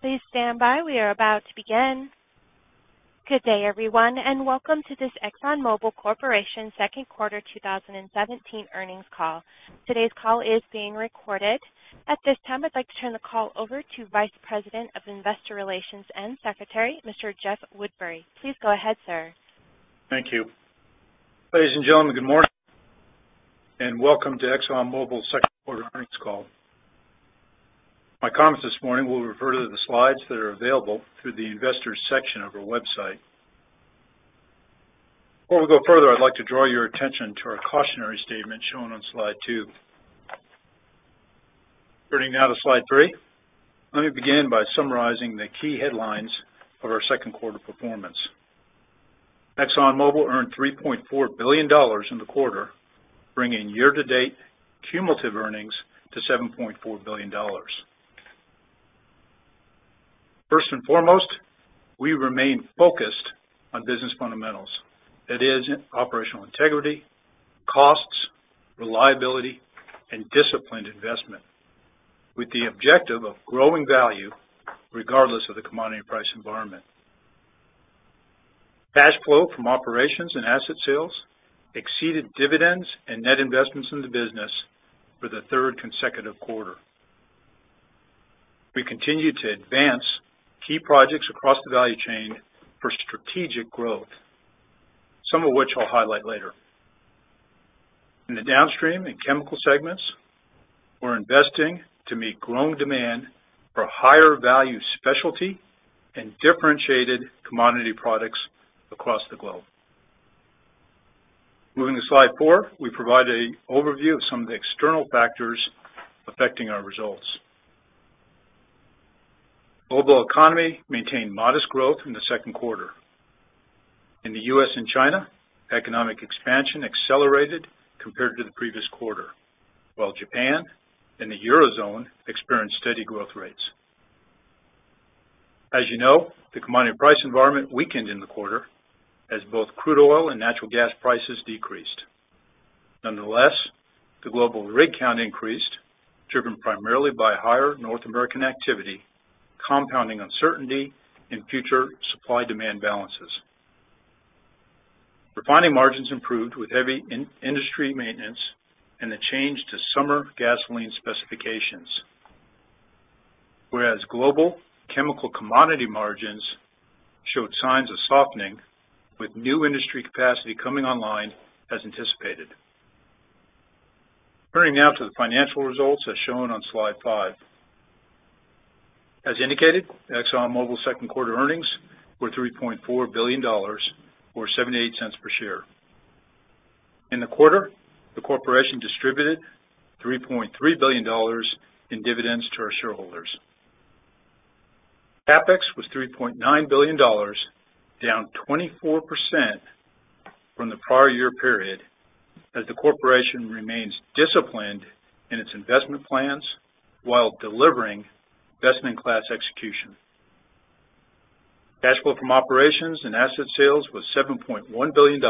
Please stand by. We are about to begin. Good day, everyone, and welcome to this ExxonMobil Corporation second quarter 2017 earnings call. Today's call is being recorded. At this time, I'd like to turn the call over to Vice President of Investor Relations and Secretary, Mr. Jeff Woodbury. Please go ahead, sir. Thank you. Ladies and gentlemen, good morning, and welcome to ExxonMobil second quarter earnings call. My comments this morning will refer to the slides that are available through the Investors section of our website. Before we go further, I'd like to draw your attention to our cautionary statement shown on slide two. Turning now to slide three. Let me begin by summarizing the key headlines of our second quarter performance. ExxonMobil earned $3.4 billion in the quarter, bringing year-to-date cumulative earnings to $7.4 billion. First and foremost, we remain focused on business fundamentals. That is operational integrity, costs, reliability, and disciplined investment with the objective of growing value regardless of the commodity price environment. Cash flow from operations and asset sales exceeded dividends and net investments in the business for the third consecutive quarter. We continue to advance key projects across the value chain for strategic growth, some of which I'll highlight later. In the downstream and chemical segments, we're investing to meet growing demand for higher value specialty and differentiated commodity products across the globe. Moving to slide four, we provide an overview of some of the external factors affecting our results. Global economy maintained modest growth in the second quarter. In the U.S. and China, economic expansion accelerated compared to the previous quarter, while Japan and the Eurozone experienced steady growth rates. As you know, the commodity price environment weakened in the quarter as both crude oil and natural gas prices decreased. Nonetheless, the global rig count increased, driven primarily by higher North American activity, compounding uncertainty in future supply-demand balances. Refining margins improved with heavy industry maintenance and the change to summer gasoline specifications. Global chemical commodity margins showed signs of softening with new industry capacity coming online as anticipated. Turning now to the financial results as shown on slide five. As indicated, ExxonMobil second-quarter earnings were $3.4 billion, or $0.78 per share. In the quarter, the corporation distributed $3.3 billion in dividends to our shareholders. CapEx was $3.9 billion, down 24% from the prior year period as the corporation remains disciplined in its investment plans while delivering best-in-class execution. Cash flow from operations and asset sales was $7.1 billion,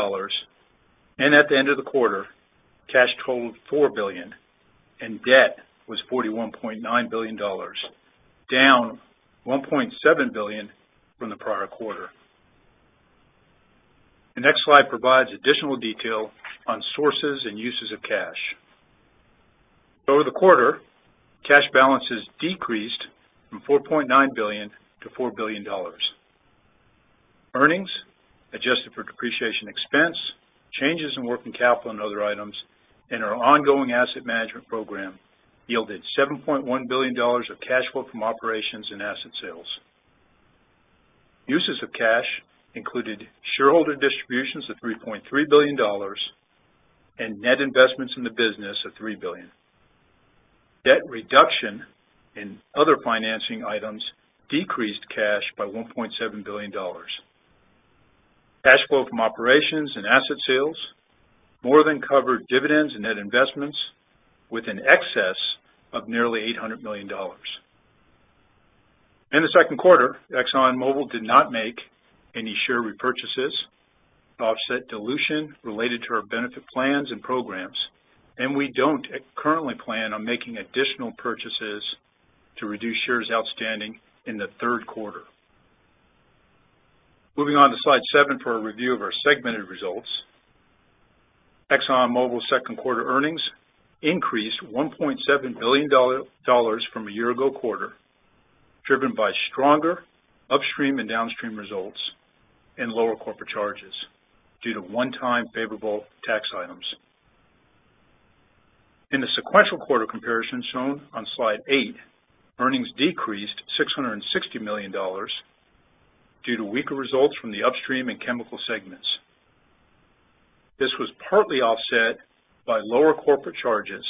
and at the end of the quarter, cash totaled $4 billion, and debt was $41.9 billion, down $1.7 billion from the prior quarter. The next slide provides additional detail on sources and uses of cash. Over the quarter, cash balances decreased from $4.9 billion to $4 billion. Earnings adjusted for depreciation expense, changes in working capital and other items in our ongoing asset management program yielded $7.1 billion of cash flow from operations and asset sales. Uses of cash included shareholder distributions of $3.3 billion and net investments in the business of $3 billion. Debt reduction in other financing items decreased cash by $1.7 billion. Cash flow from operations and asset sales more than covered dividends and net investments with an excess of nearly $800 million. In the second quarter, ExxonMobil did not make any share repurchases to offset dilution related to our benefit plans and programs, and we don't currently plan on making additional purchases to reduce shares outstanding in the third quarter. Moving on to slide seven for a review of our segmented results. ExxonMobil second-quarter earnings increased $1.7 billion from a year ago quarter, driven by stronger upstream and downstream results and lower corporate charges due to one-time favorable tax items. In the sequential quarter comparison shown on slide eight, earnings decreased $660 million due to weaker results from the upstream and chemical segments. This was partly offset by lower corporate charges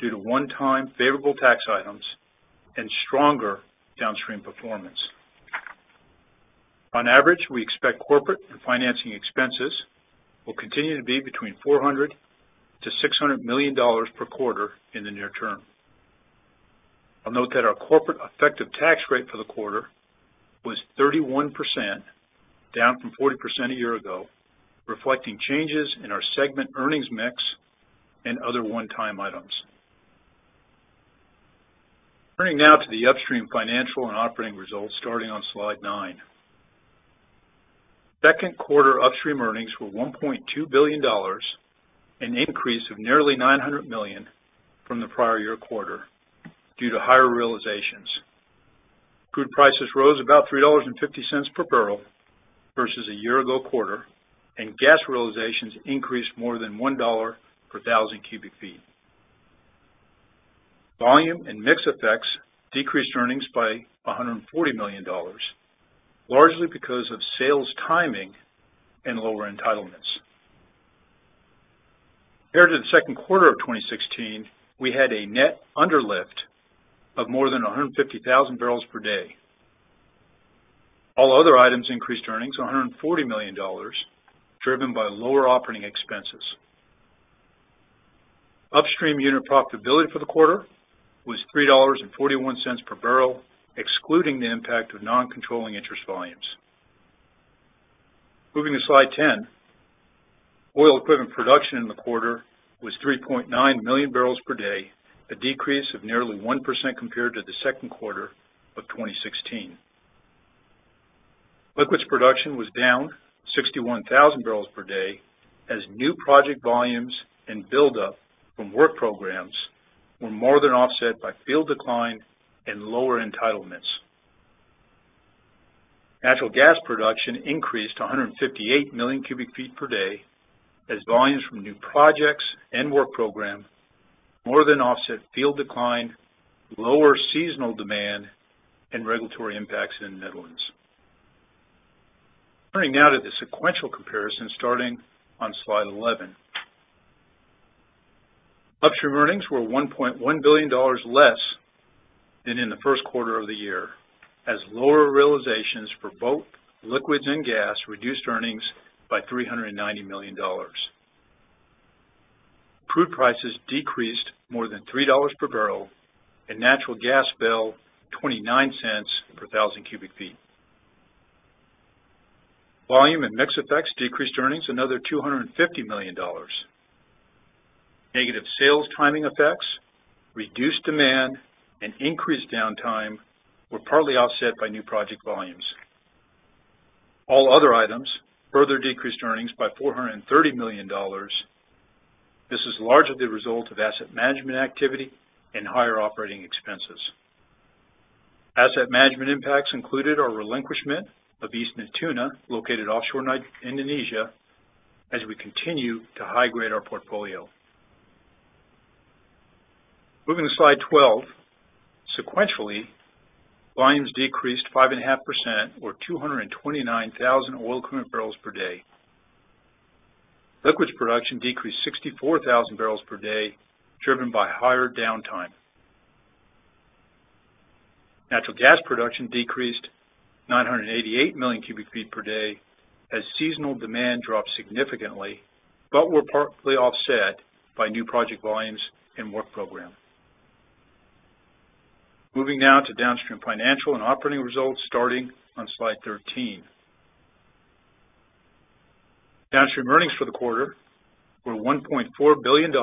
due to one-time favorable tax items and stronger downstream performance. On average, we expect corporate and financing expenses will continue to be between $400 million-$600 million per quarter in the near term. I'll note that our corporate effective tax rate for the quarter was 31%, down from 40% a year ago, reflecting changes in our segment earnings mix and other one-time items. Turning now to the upstream financial and operating results, starting on slide nine. Second quarter upstream earnings were $1.2 billion, an increase of nearly $900 million from the prior year quarter due to higher realizations. Crude prices rose about $3.50 per barrel versus a year ago quarter, and gas realizations increased more than $1 per thousand cubic feet. Volume and mix effects decreased earnings by $140 million, largely because of sales timing and lower entitlements. Compared to the second quarter of 2016, we had a net underlift of more than 150,000 barrels per day. All other items increased earnings, $140 million, driven by lower operating expenses. Upstream unit profitability for the quarter was $3.41 per barrel, excluding the impact of non-controlling interest volumes. Moving to slide 10. Oil-equivalent production in the quarter was 3.9 million barrels per day, a decrease of nearly 1% compared to the second quarter of 2016. Liquids production was down 61,000 barrels per day as new project volumes and buildup from work programs were more than offset by field decline and lower entitlements. Natural gas production increased to 158 million cubic feet per day as volumes from new projects and work program more than offset field decline, lower seasonal demand, and regulatory impacts in the Netherlands. Turning now to the sequential comparison starting on slide 11. Upstream earnings were $1.1 billion less than in the first quarter of the year, as lower realizations for both liquids and gas reduced earnings by $390 million. Crude prices decreased more than $3 per barrel, and natural gas fell $0.29 per thousand cubic feet. Volume and mix effects decreased earnings another $250 million. Negative sales timing effects, reduced demand, and increased downtime were partly offset by new project volumes. All other items further decreased earnings by $430 million. This is largely the result of asset management activity and higher operating expenses. Asset management impacts included our relinquishment of East Natuna, located offshore Indonesia, as we continue to high-grade our portfolio. Moving to slide 12. Sequentially, volumes decreased 5.5% or 229,000 oil equivalent barrels per day. Liquids production decreased 64,000 barrels per day, driven by higher downtime. Natural gas production decreased 988 million cubic feet per day as seasonal demand dropped significantly but were partly offset by new project volumes and work program. Moving now to downstream financial and operating results starting on slide 13. Downstream earnings for the quarter were $1.4 billion,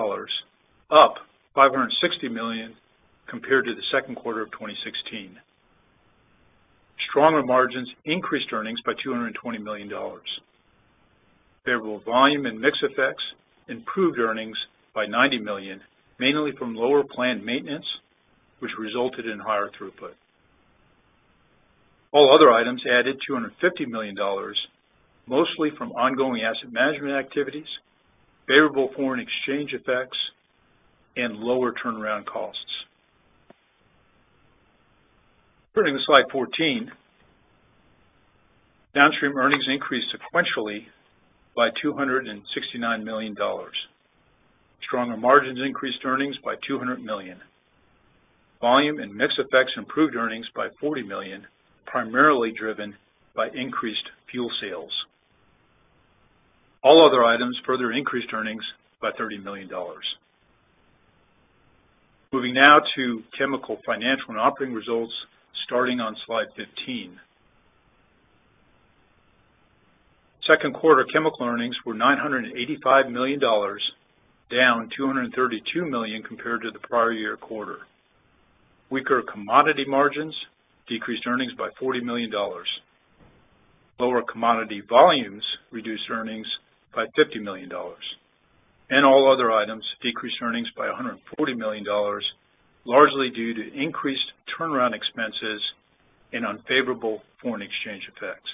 up $560 million compared to the second quarter of 2016. Stronger margins increased earnings by $220 million. Favorable volume and mix effects improved earnings by $90 million, mainly from lower planned maintenance, which resulted in higher throughput. All other items added $250 million, mostly from ongoing asset management activities, favorable foreign exchange effects, and lower turnaround costs. Turning to slide 14. Downstream earnings increased sequentially by $269 million. Stronger margins increased earnings by $200 million. Volume and mix effects improved earnings by $40 million, primarily driven by increased fuel sales. All other items further increased earnings by $30 million. Moving now to chemical financial and operating results starting on slide 15. Second quarter chemical earnings were $985 million, down $232 million compared to the prior year quarter. Weaker commodity margins decreased earnings by $40 million. Lower commodity volumes reduced earnings by $50 million. All other items decreased earnings by $140 million, largely due to increased turnaround expenses and unfavorable foreign exchange effects.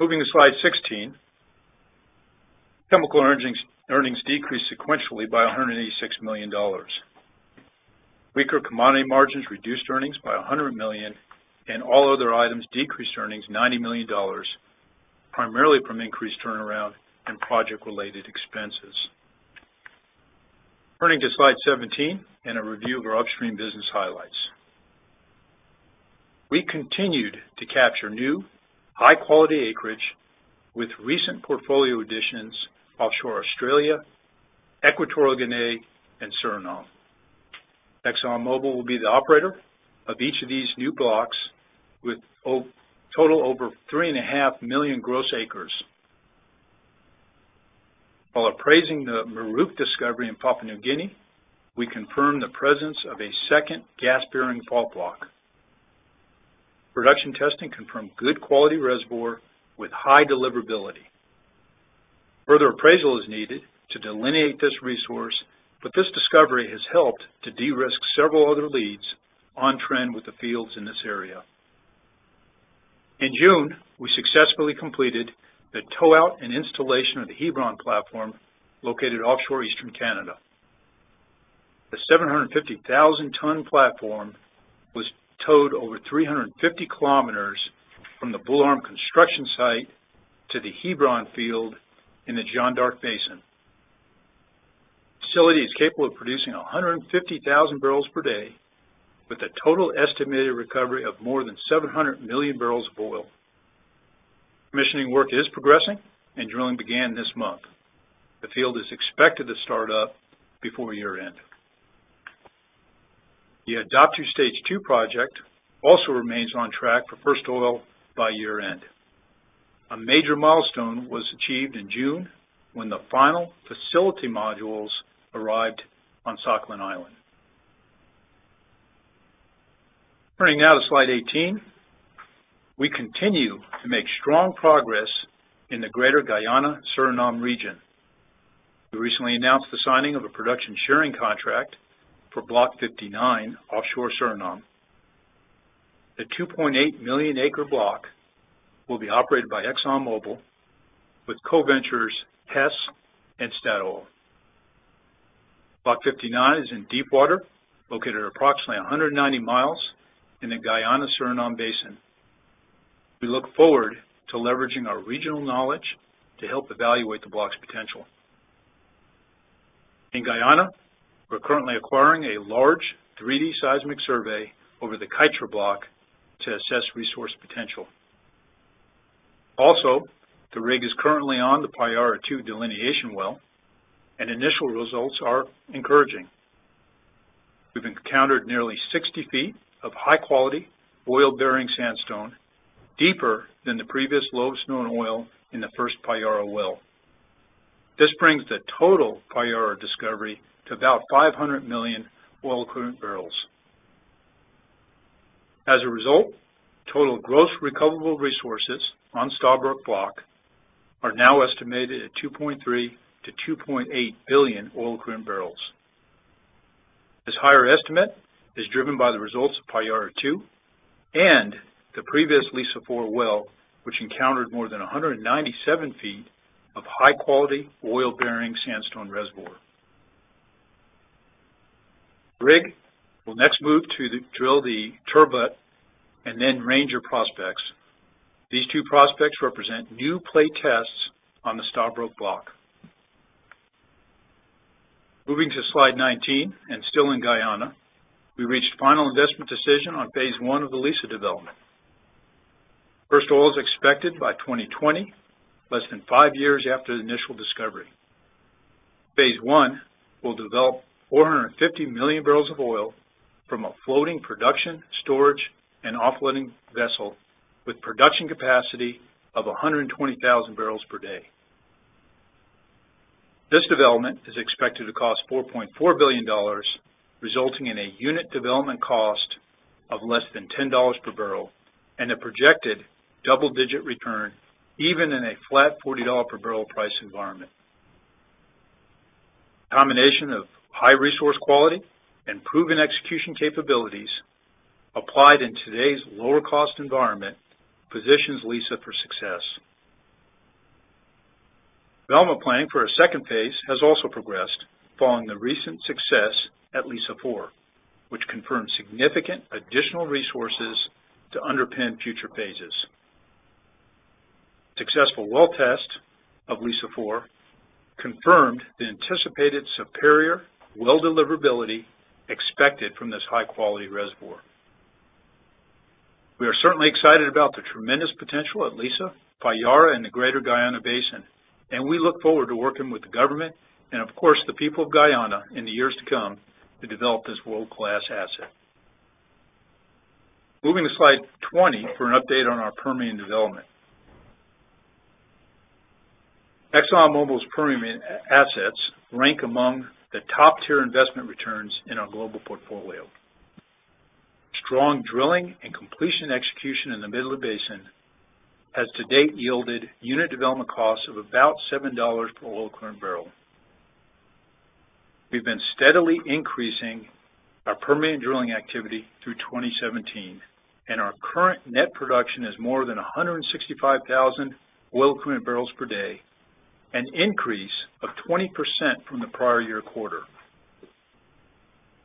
Moving to slide 16. Chemical earnings decreased sequentially by $186 million. Weaker commodity margins reduced earnings by $100 million. All other items decreased earnings $90 million, primarily from increased turnaround and project-related expenses. Turning to slide 17 and a review of our upstream business highlights. We continued to capture new high-quality acreage with recent portfolio additions offshore Australia Equatorial Guinea and Suriname. ExxonMobil will be the operator of each of these new blocks, with total over 3.5 million gross acres. While appraising the Muruk discovery in Papua New Guinea, we confirmed the presence of a second gas-bearing fault block. Production testing confirmed good quality reservoir with high deliverability. Further appraisal is needed to delineate this resource, but this discovery has helped to de-risk several other leads on trend with the fields in this area. In June, we successfully completed the tow out and installation of the Hebron platform located offshore eastern Canada. The 750,000 ton platform was towed over 350 kilometers from the Bull Arm construction site to the Hebron field in the Jeanne d'Arc Basin. Facility is capable of producing 150,000 barrels per day, with a total estimated recovery of more than 700 million barrels of oil. Commissioning work is progressing and drilling began this month. The field is expected to start up before year-end. The Odoptu Stage 2 project also remains on track for first oil by year-end. A major milestone was achieved in June when the final facility modules arrived on Sakhalin Island. Turning now to slide 18, we continue to make strong progress in the greater Guyana-Suriname region. We recently announced the signing of a production sharing contract for Block 59 offshore Suriname. The 2.8 million acre block will be operated by ExxonMobil with co-ventures Hess and Statoil. Block 59 is in deep water, located approximately 190 miles in the Guyana-Suriname Basin. We look forward to leveraging our regional knowledge to help evaluate the block's potential. In Guyana, we're currently acquiring a large 3D seismic survey over the Kaieteur Block to assess resource potential. Also, the rig is currently on the Payara-2 delineation well, and initial results are encouraging. We've encountered nearly 60 feet of high-quality oil-bearing sandstone, deeper than the previous lowest known oil in the first Payara well. This brings the total Payara discovery to about 500 million oil equivalent barrels. As a result, total gross recoverable resources on Stabroek Block are now estimated at 2.3 billion-2.8 billion oil equivalent barrels. This higher estimate is driven by the results of Payara-2 and the previous Liza-4 well, which encountered more than 197 feet of high-quality oil-bearing sandstone reservoir. Rig will next move to drill the Turbot and then Ranger prospects. These two prospects represent new play tests on the Stabroek Block. Moving to slide 19 and still in Guyana, we reached final investment decision on phase 1 of the Liza development. First oil is expected by 2020, less than five years after the initial discovery. Phase 1 will develop 450 million barrels of oil from a floating production, storage, and offloading vessel with production capacity of 120,000 barrels per day. This development is expected to cost $4.4 billion, resulting in a unit development cost of less than $10 per barrel and a projected double-digit return even in a flat $40 per barrel price environment. Combination of high resource quality and proven execution capabilities applied in today's lower cost environment positions Liza for success. Development planning for a second phase has also progressed following the recent success at Liza-4, which confirms significant additional resources to underpin future phases. Successful well test of Liza-4 confirmed the anticipated superior well deliverability expected from this high-quality reservoir. We are certainly excited about the tremendous potential at Liza, Payara, and the greater Guyana Basin, and we look forward to working with the government and, of course, the people of Guyana in the years to come to develop this world-class asset. Moving to slide 20 for an update on our Permian development. ExxonMobil's Permian assets rank among the top tier investment returns in our global portfolio. Strong drilling and completion execution in the middle of basin has to date yielded unit development costs of about $7 per oil equivalent barrel. We've been steadily increasing our Permian drilling activity through 2017, and our current net production is more than 165,000 oil equivalent barrels per day, an increase of 20% from the prior year quarter.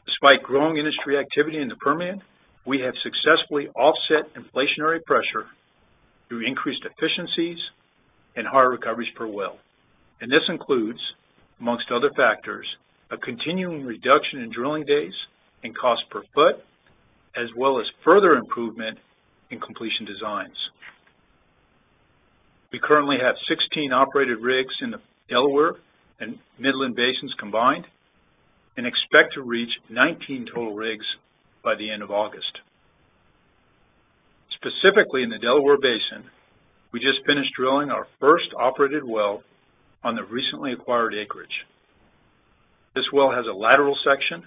Despite growing industry activity in the Permian, we have successfully offset inflationary pressure through increased efficiencies and higher recoveries per well, and this includes, amongst other factors, a continuing reduction in drilling days and cost per foot, as well as further improvement in completion designs. We currently have 16 operated rigs in the Delaware and Midland basins combined and expect to reach 19 total rigs by the end of August. Specifically in the Delaware Basin, we just finished drilling our first operated well on the recently acquired acreage. This well has a lateral section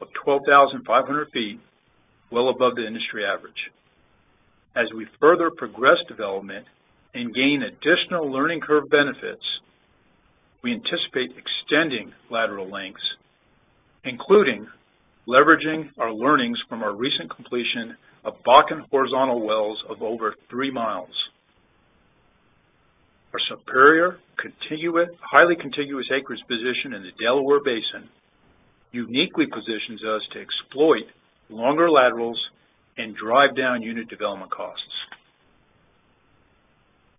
of 12,500 feet, well above the industry average. As we further progress development and gain additional learning curve benefits, we anticipate extending lateral lengths, including leveraging our learnings from our recent completion of Bakken horizontal wells of over three miles. Our superior, highly contiguous acreage position in the Delaware Basin uniquely positions us to exploit longer laterals and drive down unit development costs.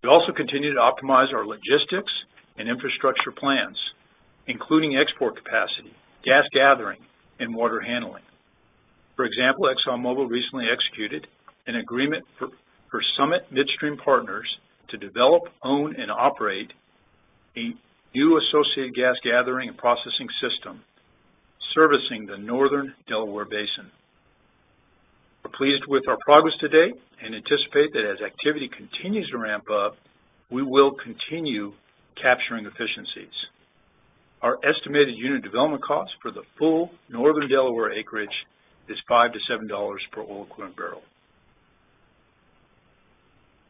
We also continue to optimize our logistics and infrastructure plans, including export capacity, gas gathering, and water handling. For example, ExxonMobil recently executed an agreement for Summit Midstream Partners to develop, own, and operate a new associated gas gathering and processing system servicing the northern Delaware Basin. We're pleased with our progress to date and anticipate that as activity continues to ramp up, we will continue capturing efficiencies. Our estimated unit development cost for the full northern Delaware acreage is $5 to $7 per oil equivalent barrel.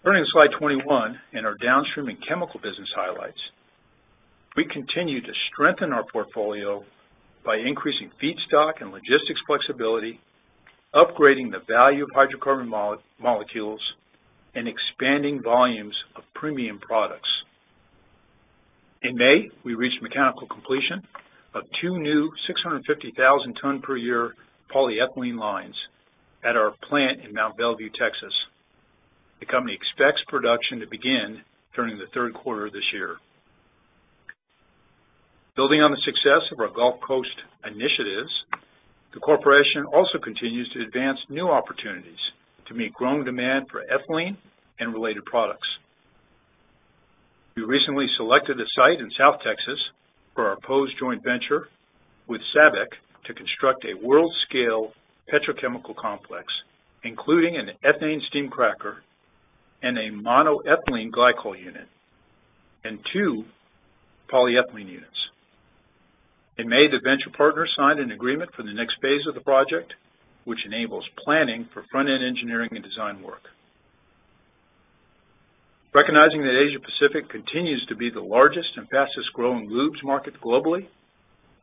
Turning to slide 21 in our downstream and chemical business highlights. We continue to strengthen our portfolio by increasing feedstock and logistics flexibility, upgrading the value of hydrocarbon molecules, and expanding volumes of premium products. In May, we reached mechanical completion of two new 650,000 ton per year polyethylene lines at our plant in Mont Belvieu, Texas. The company expects production to begin during the third quarter of this year. Building on the success of our Gulf Coast initiatives, the corporation also continues to advance new opportunities to meet growing demand for ethylene and related products. We recently selected a site in South Texas for our proposed joint venture with SABIC to construct a world-scale petrochemical complex, including an ethane steam cracker and a monoethylene glycol unit and two polyethylene units. In May, the venture partners signed an agreement for the next phase of the project, which enables planning for front-end engineering and design work. Recognizing that Asia Pacific continues to be the largest and fastest growing lubes market globally,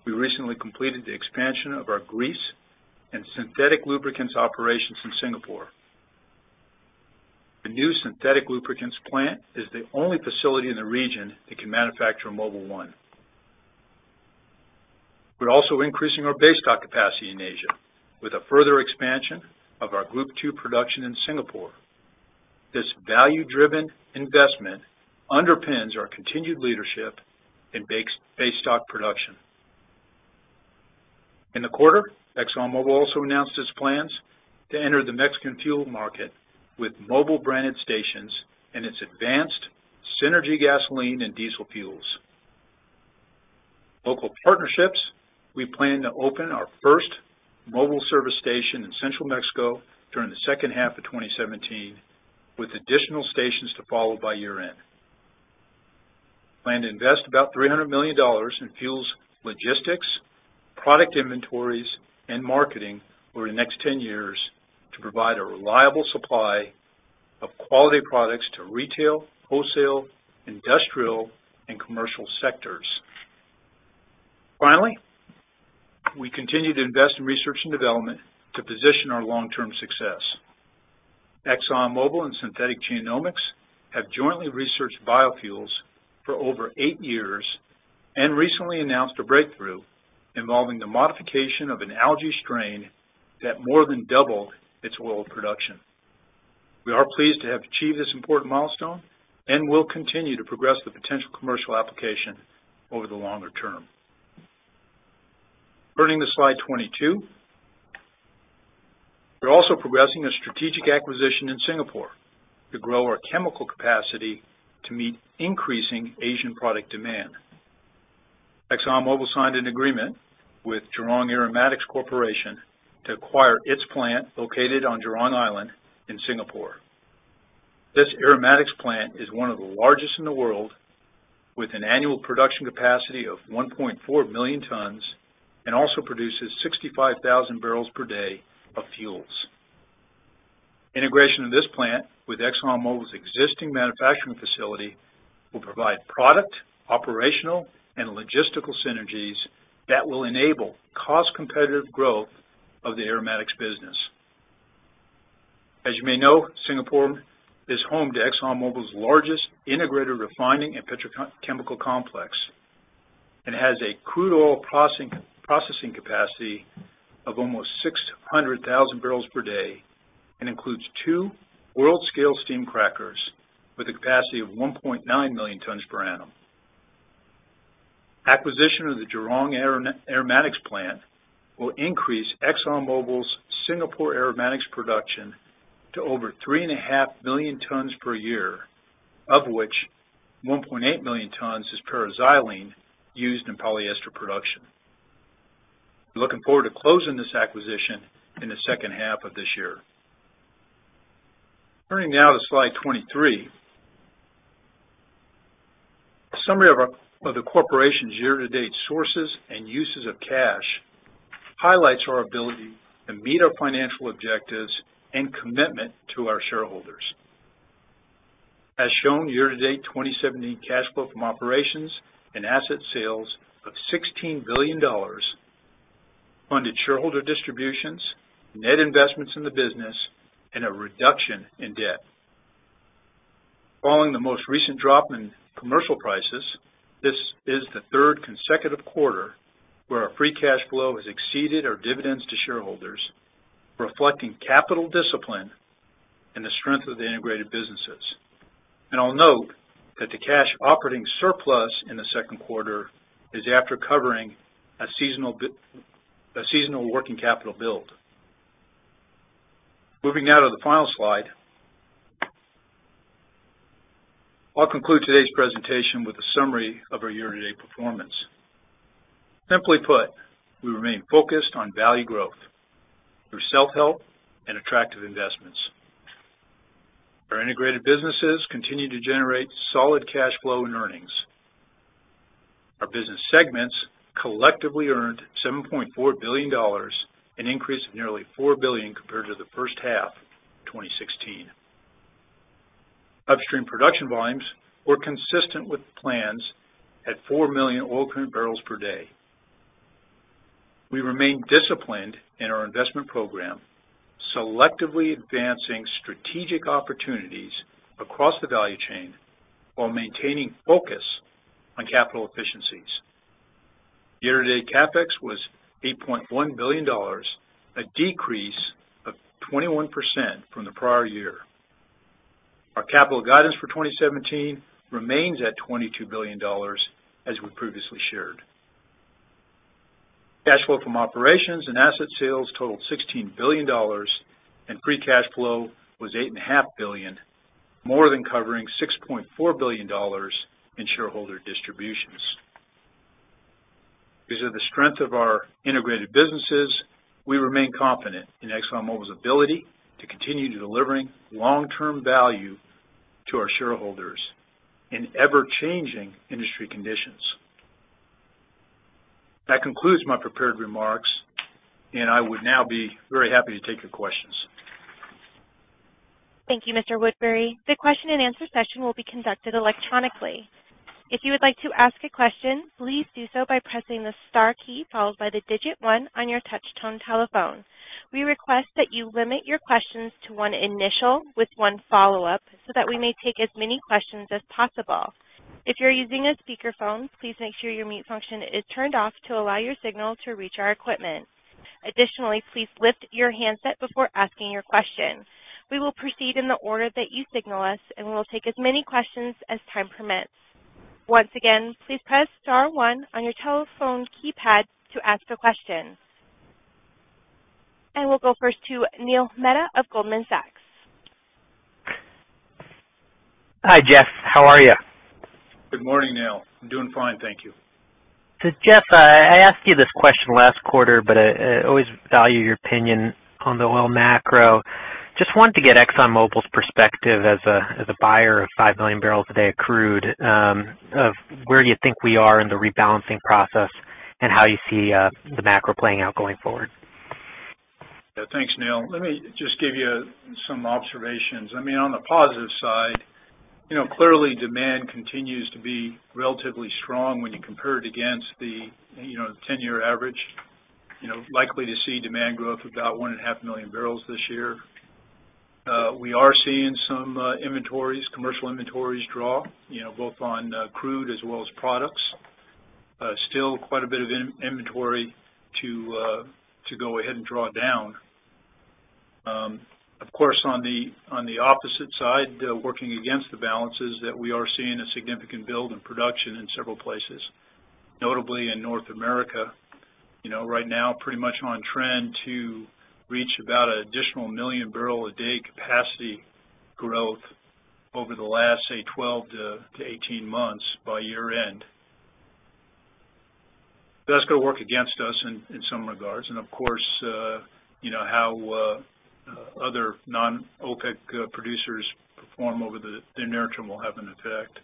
we recently completed the expansion of our grease and synthetic lubricants operations in Singapore. The new synthetic lubricants plant is the only facility in the region that can manufacture Mobil 1. We're also increasing our basestock capacity in Asia with a further expansion of our Group II production in Singapore. This value-driven investment underpins our continued leadership in basestock production. In the quarter, ExxonMobil also announced its plans to enter the Mexican fuel market with Mobil branded stations and its advanced Synergy gasoline and diesel fuels. Local partnerships, we plan to open our first Mobil service station in central Mexico during the second half of 2017, with additional stations to follow by year-end. We plan to invest about $300 million in fuels logistics, product inventories, and marketing over the next 10 years to provide a reliable supply of quality products to retail, wholesale, industrial, and commercial sectors. Finally, we continue to invest in research and development to position our long-term success. ExxonMobil and Synthetic Genomics have jointly researched biofuels for over eight years and recently announced a breakthrough involving the modification of an algae strain that more than doubled its oil production. We are pleased to have achieved this important milestone and will continue to progress the potential commercial application over the longer term. Turning to slide 22. We're also progressing a strategic acquisition in Singapore to grow our chemical capacity to meet increasing Asian product demand. ExxonMobil signed an agreement with Jurong Aromatics Corporation to acquire its plant located on Jurong Island in Singapore. This aromatics plant is one of the largest in the world with an annual production capacity of 1.4 million tons and also produces 65,000 barrels per day of fuels. Integration of this plant with ExxonMobil's existing manufacturing facility will provide product, operational, and logistical synergies that will enable cost-competitive growth of the aromatics business. As you may know, Singapore is home to ExxonMobil's largest integrated refining and petrochemical complex and has a crude oil processing capacity of almost 600,000 barrels per day and includes two world-scale steam crackers with a capacity of 1.9 million tons per annum. Acquisition of the Jurong Aromatics plant will increase ExxonMobil's Singapore aromatics production to over three and a half million tons per year, of which 1.8 million tons is paraxylene used in polyester production. We're looking forward to closing this acquisition in the second half of this year. Turning now to slide 23. A summary of the corporation's year-to-date sources and uses of cash highlights our ability to meet our financial objectives and commitment to our shareholders. As shown, year-to-date 2017 cash flow from operations and asset sales of $16 billion funded shareholder distributions, net investments in the business, and a reduction in debt. Following the most recent drop in commercial prices, this is the third consecutive quarter where our free cash flow has exceeded our dividends to shareholders, reflecting capital discipline and the strength of the integrated businesses. I'll note that the cash operating surplus in the second quarter is after covering a seasonal working capital build. Moving now to the final slide. I'll conclude today's presentation with a summary of our year-to-date performance. Simply put, we remain focused on value growth through self-help and attractive investments. Our integrated businesses continue to generate solid cash flow and earnings. Our business segments collectively earned $7.4 billion, an increase of nearly $4 billion compared to the first half of 2016. Upstream production volumes were consistent with plans at four million oil equivalent barrels per day. We remain disciplined in our investment program, selectively advancing strategic opportunities across the value chain while maintaining focus on capital efficiencies. Year-to-date CapEx was $8.1 billion, a decrease of 21% from the prior year. Our capital guidance for 2017 remains at $22 billion, as we previously shared. Cash flow from operations and asset sales totaled $16 billion, and free cash flow was $8.5 billion, more than covering $6.4 billion in shareholder distributions. Of the strength of our integrated businesses, we remain confident in ExxonMobil's ability to continue delivering long-term value to our shareholders in ever-changing industry conditions. That concludes my prepared remarks. I would now be very happy to take your questions. Thank you, Mr. Woodbury. The question and answer session will be conducted electronically. If you would like to ask a question, please do so by pressing the star key followed by the digit 1 on your touch tone telephone. We request that you limit your questions to one initial with one follow-up so that we may take as many questions as possible. If you're using a speakerphone, please make sure your mute function is turned off to allow your signal to reach our equipment. Additionally, please lift your handset before asking your question. We will proceed in the order that you signal us, and we will take as many questions as time permits. Once again, please press star one on your telephone keypad to ask a question. We'll go first to Neil Mehta of Goldman Sachs. Hi, Jeff. How are you? Good morning, Neil. I'm doing fine, thank you. Jeff, I asked you this question last quarter, but I always value your opinion on the oil macro. Just wanted to get ExxonMobil's perspective as a buyer of 5 million barrels a day of crude, of where you think we are in the rebalancing process, and how you see the macro playing out going forward. Thanks, Neil. Let me just give you some observations. On the positive side, clearly demand continues to be relatively strong when you compare it against the 10-year average. Likely to see demand growth of about 1.5 million barrels this year. We are seeing some inventories, commercial inventories draw, both on crude as well as products. Still quite a bit of inventory to go ahead and draw down. Of course, on the opposite side, working against the balance is that we are seeing a significant build in production in several places, notably in North America. Right now, pretty much on trend to reach about an additional million barrels a day capacity growth over the last, say, 12-18 months by year-end. That's going to work against us in some regards. Of course, how other non-OPEC producers perform over the near term will have an effect.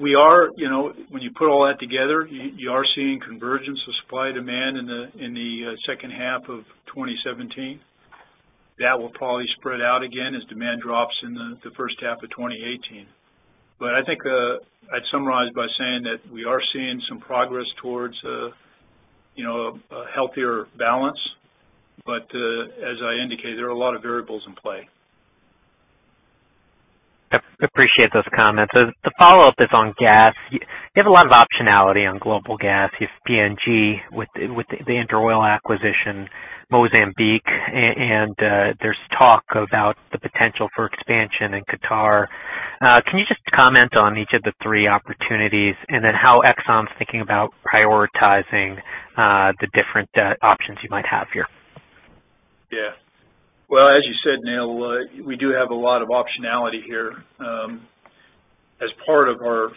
When you put all that together, you are seeing convergence of supply and demand in the second half of 2017. That will probably spread out again as demand drops in the first half of 2018. I think I'd summarize by saying that we are seeing some progress towards a healthier balance. As I indicated, there are a lot of variables in play. I appreciate those comments. The follow-up is on gas. You have a lot of optionality on global gas. You have PNG with the InterOil acquisition, Mozambique, and there's talk about the potential for expansion in Qatar. Can you just comment on each of the three opportunities, and then how Exxon's thinking about prioritizing the different options you might have here? Well, as you said, Neal, we do have a lot of optionality here. As part of our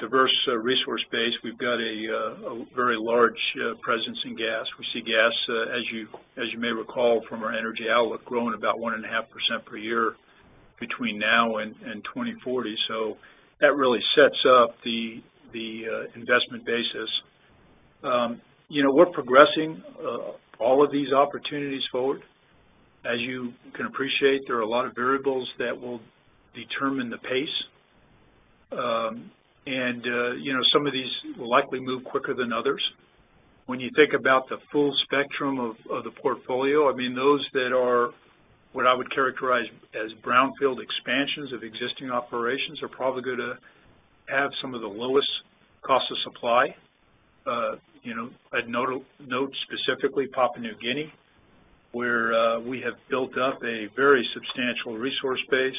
diverse resource base, we've got a very large presence in gas. We see gas, as you may recall from our energy outlook, growing about 1.5% per year between now and 2040. That really sets up the investment basis. We're progressing all of these opportunities forward. As you can appreciate, there are a lot of variables that will determine the pace. Some of these will likely move quicker than others. When you think about the full spectrum of the portfolio, those that are what I would characterize as brownfield expansions of existing operations are probably going to have some of the lowest cost of supply. I'd note specifically Papua New Guinea, where we have built up a very substantial resource base.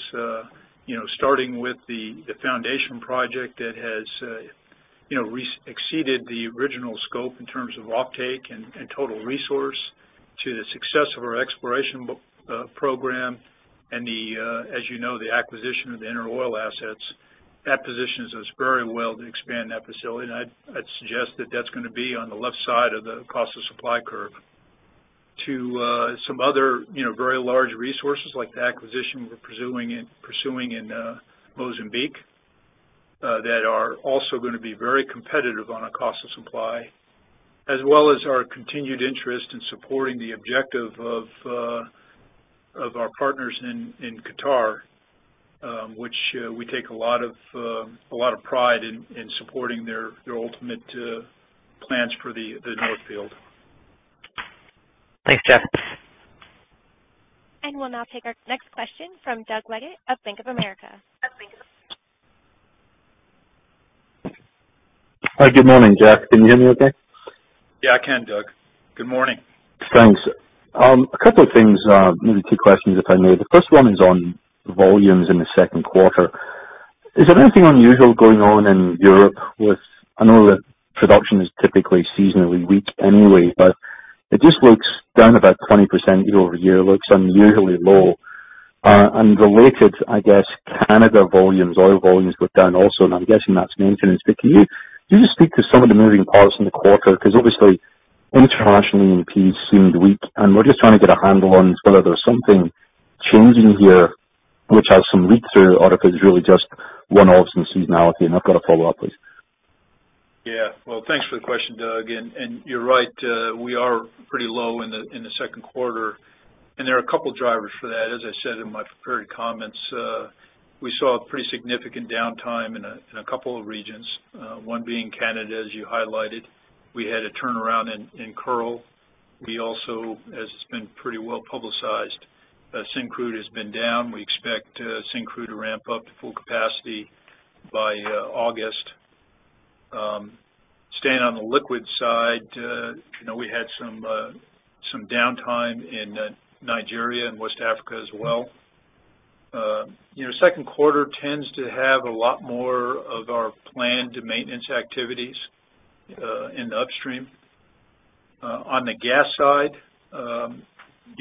Starting with the foundation project that has exceeded the original scope in terms of offtake and total resource to the success of our exploration program and the, as you know, the acquisition of the InterOil assets. That positions us very well to expand that facility. I'd suggest that that's going to be on the left side of the cost of supply curve. To some other very large resources, like the acquisition we're pursuing in Mozambique, that are also going to be very competitive on a cost of supply, as well as our continued interest in supporting the objective of our partners in Qatar, which we take a lot of pride in supporting their ultimate plans for the North Field. Thanks, Jeff. We'll now take our next question from Doug Leggate of Bank of America. Hi. Good morning, Jeff. Can you hear me okay? Yeah, I can, Doug. Good morning. Thanks. A couple of things, maybe two questions if I may. The first one is on volumes in the second quarter. Is there anything unusual going on in Europe? I know that production is typically seasonally weak anyway, but it just looks down about 20% year-over-year, looks unusually low. Related, I guess, Canada volumes, oil volumes, were down also, and I'm guessing that's maintenance. Can you just speak to some of the moving parts in the quarter? Because obviously internationally in production seemed weak, and we're just trying to get a handle on whether there's something changing here which has some leaks or if it's really just one-offs and seasonality. I've got a follow-up, please. Yeah. Well, thanks for the question, Doug. You're right, we are pretty low in the second quarter, and there are a couple drivers for that. As I said in my prepared comments, we saw a pretty significant downtime in a couple of regions. One being Canada, as you highlighted. We had a turnaround in Kearl. We also, as has been pretty well-publicized, Syncrude has been down. We expect Syncrude to ramp up to full capacity by August. Staying on the liquids side, we had some downtime in Nigeria and West Africa as well. Second quarter tends to have a lot more of our planned maintenance activities in the upstream. On the gas side,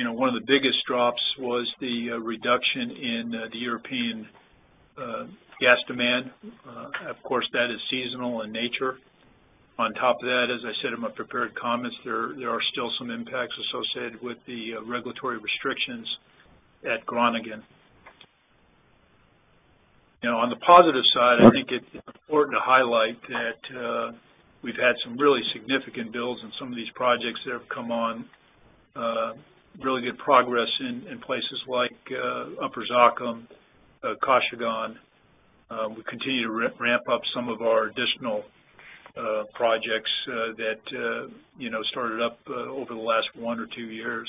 one of the biggest drops was the reduction in the European gas demand. Of course, that is seasonal in nature. On top of that, as I said in my prepared comments, there are still some impacts associated with the regulatory restrictions at Groningen. On the positive side, I think it's important to highlight that we've had some really significant builds in some of these projects that have come on. Really good progress in places like Upper Zakum, Kashagan. We continue to ramp up some of our additional projects that started up over the last one or two years.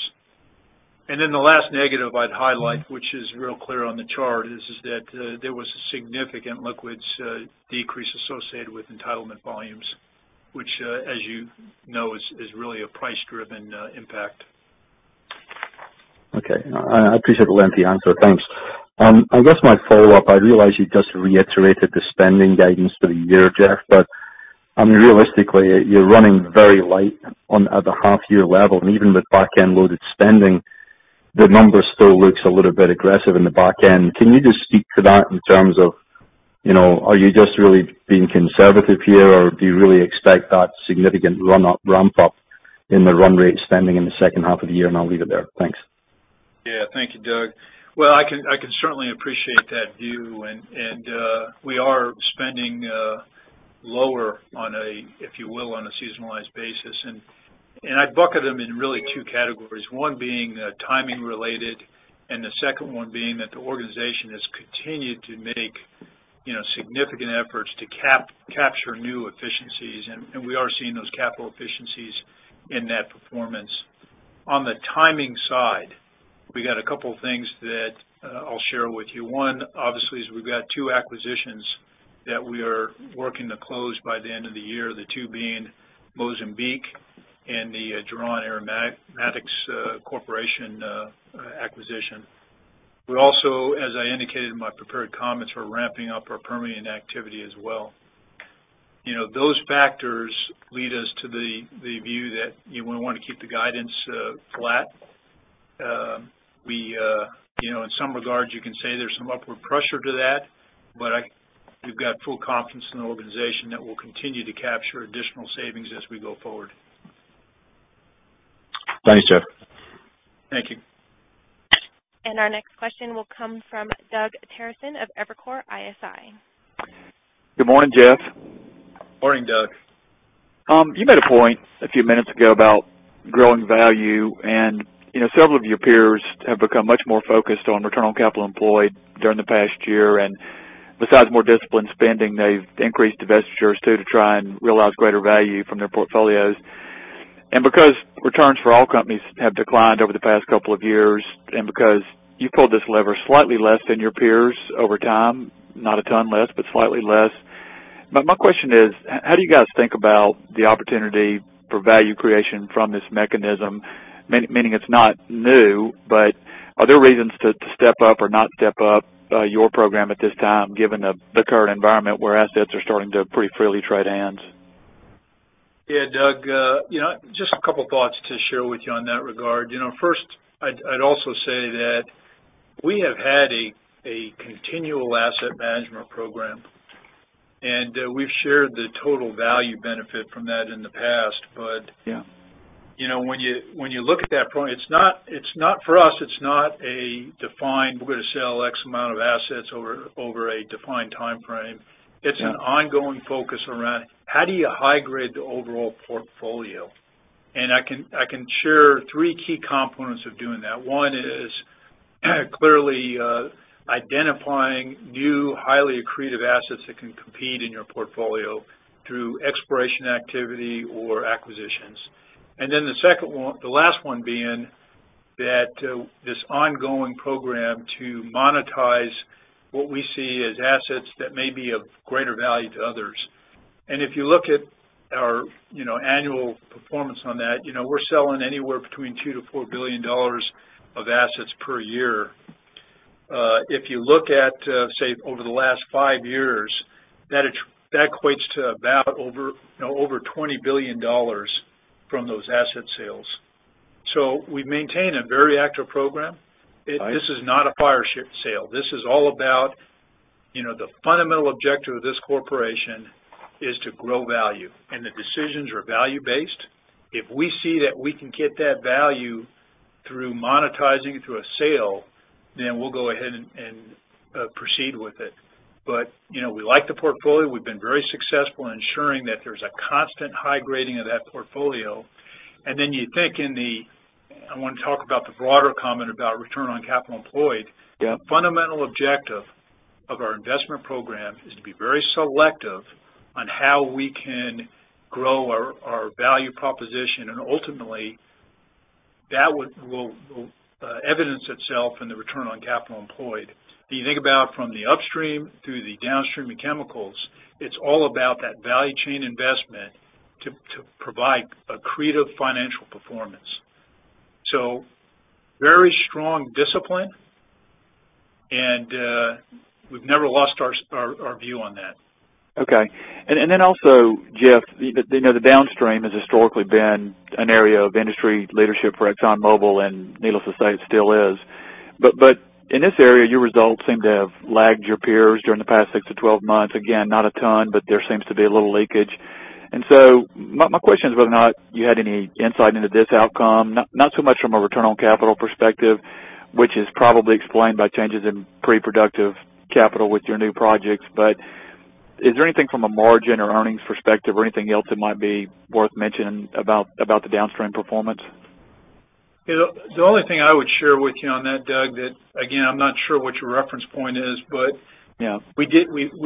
The last negative I'd highlight, which is real clear on the chart, is that there was a significant liquids decrease associated with entitlement volumes, which, as you know, is really a price-driven impact. Okay. I appreciate the lengthy answer. Thanks. I guess my follow-up, I realize you just reiterated the spending guidance for the year, Jeff, but realistically, you're running very light at the half-year level. Even with back-end loaded spending, the number still looks a little bit aggressive in the back end. Can you just speak to that in terms of are you just really being conservative here, or do you really expect that significant ramp-up in the run rate spending in the second half of the year? I'll leave it there. Thanks. Yeah. Thank you, Doug. I can certainly appreciate that view. We are spending lower on a, if you will, on a seasonalized basis. I bucket them in really two categories. One being timing related, and the second one being that the organization has continued to make significant efforts to capture new efficiencies. We are seeing those capital efficiencies in that performance. On the timing side, we got a couple of things that I'll share with you. One, obviously, is we've got two acquisitions that we are working to close by the end of the year, the two being Mozambique and the Jurong Aromatics Corporation acquisition. We also, as I indicated in my prepared comments, we're ramping up our permitting activity as well. Those factors lead us to the view that we want to keep the guidance flat. In some regards, you can say there's some upward pressure to that, but we've got full confidence in the organization that we'll continue to capture additional savings as we go forward. Thanks, Jeff. Thank you. Our next question will come from Doug Terreson of Evercore ISI. Good morning, Jeff. Morning, Doug. You made a point a few minutes ago about growing value, and several of your peers have become much more focused on return on capital employed during the past year. Besides more disciplined spending, they've increased divestitures, too, to try and realize greater value from their portfolios. Because returns for all companies have declined over the past couple of years, and because you pulled this lever slightly less than your peers over time, not a ton less, but slightly less. My question is, how do you guys think about the opportunity for value creation from this mechanism? Meaning it's not new, but are there reasons to step up or not step up your program at this time, given the current environment where assets are starting to pretty freely trade hands? Yeah. Doug, just a couple thoughts to share with you on that regard. First, I'd also say that we have had a continual asset management program, and we've shared the total value benefit from that in the past. Yeah. When you look at that point, for us, it's not a defined, we're going to sell X amount of assets over a defined time frame. Yeah. It's an ongoing focus around how do you high-grade the overall portfolio? I can share three key components of doing that. One is clearly identifying new, highly accretive assets that can compete in your portfolio through exploration activity or acquisitions. Then the second one, the last one being that this ongoing program to monetize what we see as assets that may be of greater value to others. If you look at our annual performance on that, we're selling anywhere between $2 billion-$4 billion of assets per year. If you look at, say, over the last five years, that equates to about over $20 billion from those asset sales. We maintain a very active program. Right. This is not a fire ship sale. This is all about the fundamental objective of this corporation is to grow value, and the decisions are value-based. If we see that we can get that value through monetizing it through a sale, we'll go ahead and proceed with it. We like the portfolio. We've been very successful in ensuring that there's a constant high grading of that portfolio. I want to talk about the broader comment about return on capital employed. Yeah. The fundamental objective of our investment program is to be very selective on how we can grow our value proposition, ultimately that will evidence itself in the return on capital employed. If you think about from the upstream through the downstream and chemicals, it's all about that value chain investment to provide accretive financial performance. Very strong discipline, and we've never lost our view on that. Okay. Also, Jeff, the downstream has historically been an area of industry leadership for ExxonMobil, needless to say, it still is. In this area, your results seem to have lagged your peers during the past 6-12 months. Again, not a ton, but there seems to be a little leakage. My question is whether or not you had any insight into this outcome, not so much from a return on capital perspective, which is probably explained by changes in pre-productive capital with your new projects. Is there anything from a margin or earnings perspective or anything else that might be worth mentioning about the downstream performance? The only thing I would share with you on that, Doug, that again, I'm not sure what your reference point is. Yeah We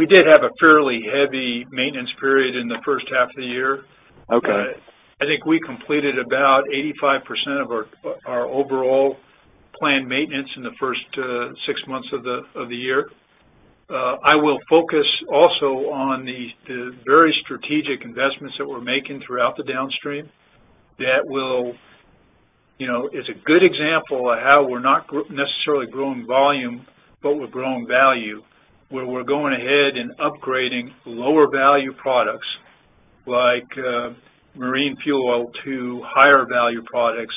did have a fairly heavy maintenance period in the first half of the year. Okay. I think we completed about 85% of our overall planned maintenance in the first six months of the year. I will focus also on the very strategic investments that we're making throughout the downstream that is a good example of how we're not necessarily growing volume, but we're growing value. Where we're going ahead and upgrading lower value products like marine fuel oil to higher value products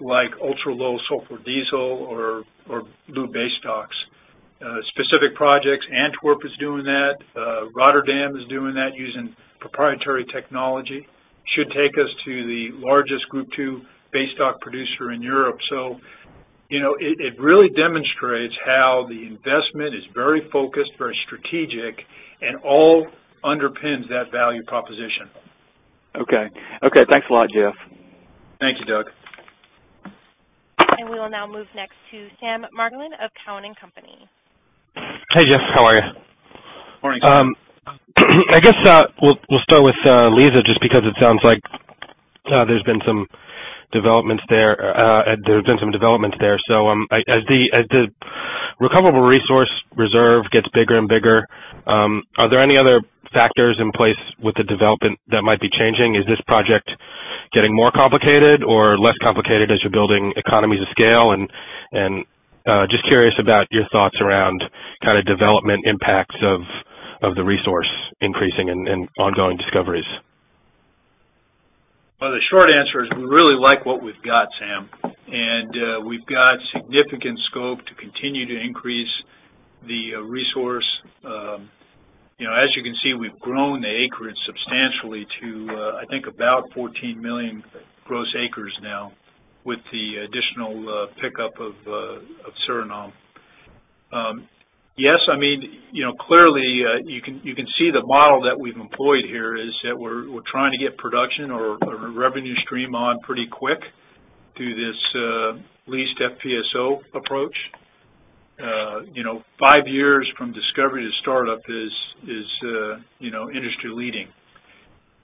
like ultra-low sulfur diesel or lube basestocks. Specific projects, Antwerp is doing that. Rotterdam is doing that using proprietary technology. Should take us to the largest Group II basestock producer in Europe. It really demonstrates how the investment is very focused, very strategic, and all underpins that value proposition. Okay. Thanks a lot, Jeff. Thank you, Doug. We will now move next to Sam Margolin of Cowen and Company. Hey, Jeff. How are you? Morning. I guess we'll start with Liza, just because it sounds like there's been some developments there. As the Recoverable resource reserve gets bigger and bigger. Are there any other factors in place with the development that might be changing? Is this project getting more complicated or less complicated as you're building economies of scale? Just curious about your thoughts around development impacts of the resource increasing and ongoing discoveries. Well, the short answer is we really like what we've got, Sam, and we've got significant scope to continue to increase the resource. You can see, we've grown the acreage substantially to, I think, about 14 million gross acres now with the additional pickup of Suriname. Yes, clearly, you can see the model that we've employed here is that we're trying to get production or a revenue stream on pretty quick through this leased FPSO approach. Five years from discovery to startup is industry leading.